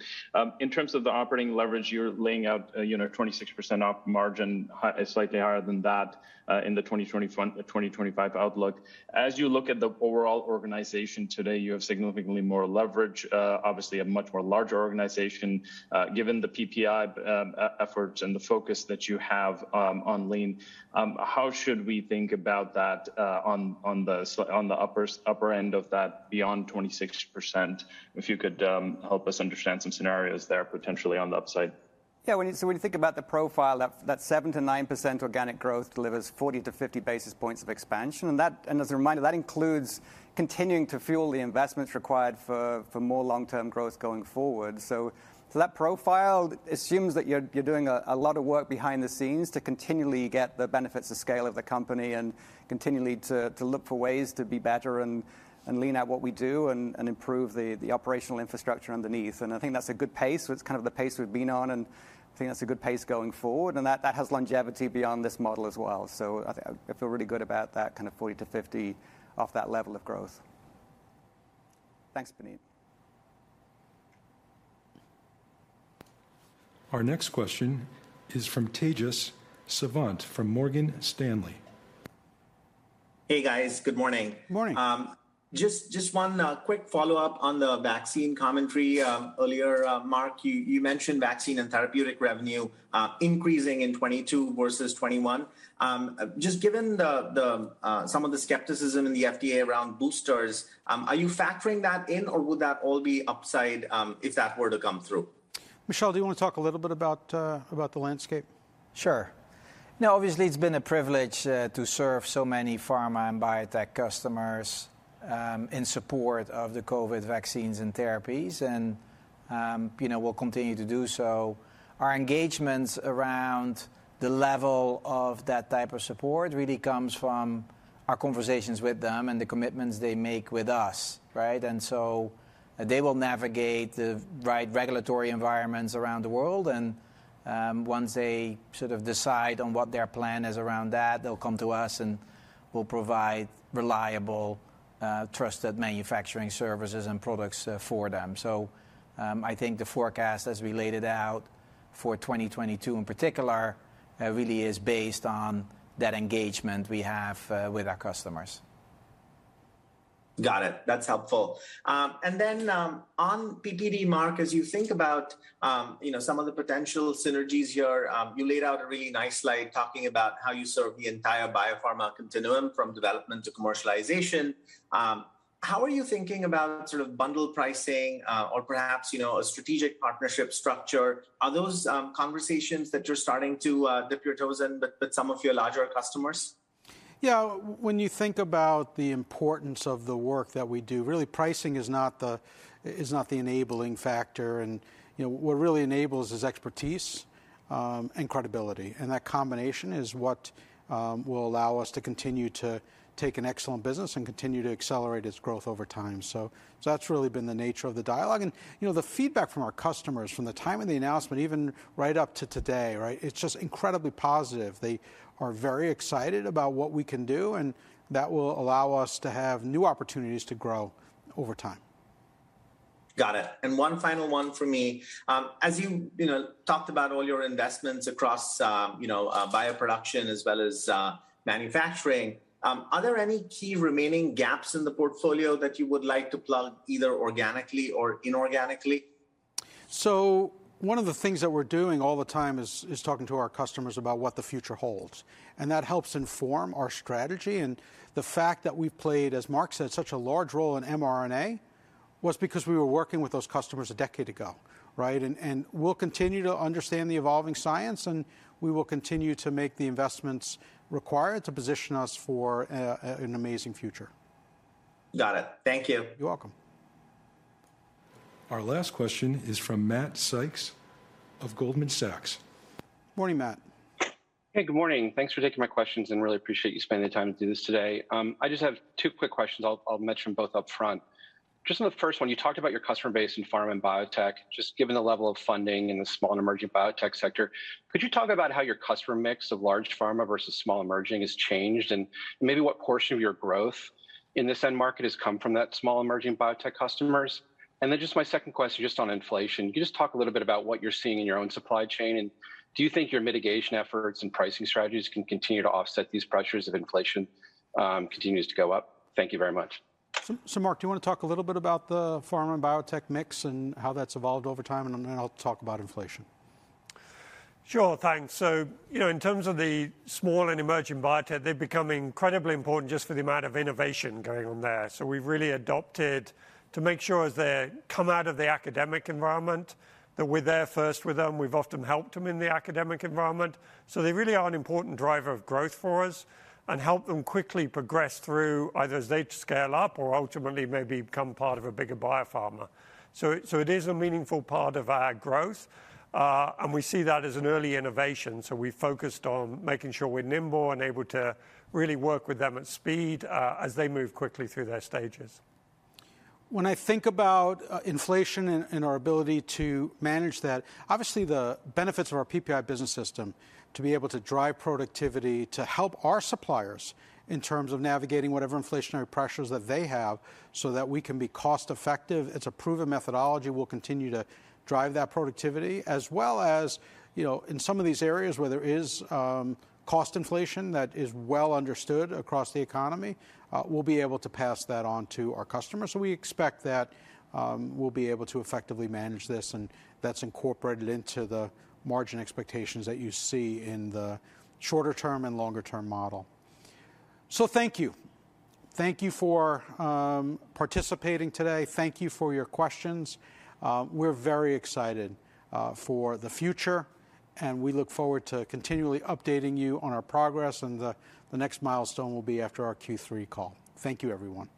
In terms of the operating leverage, you're laying out, you know, 26% op margin, slightly higher than that in the 2025 outlook. As you look at the overall organization today, you have significantly more leverage, obviously a much more larger organization. Given the PPI efforts and the focus that you have on lean, how should we think about that on the upper end of that beyond 26%? If you could help us understand some scenarios there potentially on the upside. Yeah. When you think about the profile, that 7%-9% organic growth delivers 40 to 50 basis points of expansion. As a reminder, that includes continuing to fuel the investments required for more long-term growth going forward. That profile assumes that you're doing a lot of work behind the scenes to continually get the benefits of scale of the company and continually to look for ways to be better and lean out what we do and improve the operational infrastructure underneath. I think that's a good pace. It's kind of the pace we've been on, I think that's a good pace going forward, and that has longevity beyond this model as well. I feel really good about that kind of 40%-50% off that level of growth. Thanks, Puneet. Our next question is from Tejas Savant from Morgan Stanley. Hey, guys. Good morning. Morning. Just one quick follow-up on the vaccine commentary. Earlier, Marc, you mentioned vaccine and therapeutic revenue increasing in 2022 versus 2021. Just given the skepticism in the FDA around boosters, are you factoring that in or would that all be upside if that were to come through? Michel, do you want to talk a little bit about the landscape? Sure. Obviously, it's been a privilege to serve so many pharma and biotech customers in support of the COVID vaccines and therapies. We'll continue to do so. Our engagements around the level of that type of support really comes from our conversations with them and the commitments they make with us, right? They will navigate the right regulatory environments around the world, and once they sort of decide on what their plan is around that, they'll come to us, and we'll provide reliable, trusted manufacturing services and products for them. I think the forecast as we laid it out. For 2022 in particular, really is based on that engagement we have with our customers. Got it. That's helpful. Then on PPD, Marc, as you think about, you know, some of the potential synergies here, you laid out a really nice slide talking about how you serve the entire biopharma continuum from development to commercialization. How are you thinking about sort of bundle pricing, or perhaps, you know, a strategic partnership structure? Are those conversations that you're starting to dip your toes in with some of your larger customers? Yeah. When you think about the importance of the work that we do, really pricing is not the enabling factor. You know, what really enables is expertise and credibility, and that combination is what will allow us to continue to take an excellent business and continue to accelerate its growth over time. That's really been the nature of the dialogue. You know, the feedback from our customers from the time of the announcement, even right up to today, right, it's just incredibly positive. They are very excited about what we can do, and that will allow us to have new opportunities to grow over time. Got it. One final one from me. As you know, talked about all your investments across, you know, bioproduction as well as manufacturing, are there any key remaining gaps in the portfolio that you would like to plug either organically or inorganically? One of the things that we're doing all the time is talking to our customers about what the future holds, and that helps inform our strategy. The fact that we played, as Mark said, such a large role in mRNA was because we were working with those customers a decade ago, right? We'll continue to understand the evolving science, and we will continue to make the investments required to position us for an amazing future. Got it. Thank you. You're welcome. Our last question is from Matt Sykes of Goldman Sachs. Morning, Matt. Hey, good morning. Thanks for taking my questions and really appreciate you spending the time to do this today. I just have two quick questions. I'll mention both upfront. Just on the first one, you talked about your customer base in pharma and biotech, just given the level of funding in the small and emerging biotech sector, could you talk about how your customer mix of large pharma versus small emerging has changed? Maybe what portion of your growth in this end market has come from that small emerging biotech customers? Just my second question just on inflation. Can you just talk a little bit about what you're seeing in your own supply chain, do you think your mitigation efforts and pricing strategies can continue to offset these pressures if inflation continues to go up? Thank you very much. Mark, do you wanna talk a little bit about the pharma and biotech mix and how that's evolved over time, and then I'll talk about inflation? Sure. Thanks. You know, in terms of the small and emerging biotech, they're becoming incredibly important just for the amount of innovation going on there. We've really adopted to make sure as they come out of the academic environment, that we're there first with them. We've often helped them in the academic environment. They really are an important driver of growth for us and help them quickly progress through either as they scale up or ultimately maybe become part of a bigger biopharma. It is a meaningful part of our growth, and we see that as an early innovation. We focused on making sure we're nimble and able to really work with them at speed, as they move quickly through their stages. When I think about inflation and our ability to manage that, obviously the benefits of our PPI Business system to be able to drive productivity to help our suppliers in terms of navigating whatever inflationary pressures that they have so that we can be cost-effective, it's a proven methodology. We'll continue to drive that productivity. As well as, you know, in some of these areas where there is cost inflation that is well understood across the economy, we'll be able to pass that on to our customers. We expect that we'll be able to effectively manage this, and that's incorporated into the margin expectations that you see in the shorter term and longer term model. Thank you. Thank you for participating today. Thank you for your questions. We're very excited for the future, and we look forward to continually updating you on our progress, and the next milestone will be after our Q3 call. Thank you, everyone.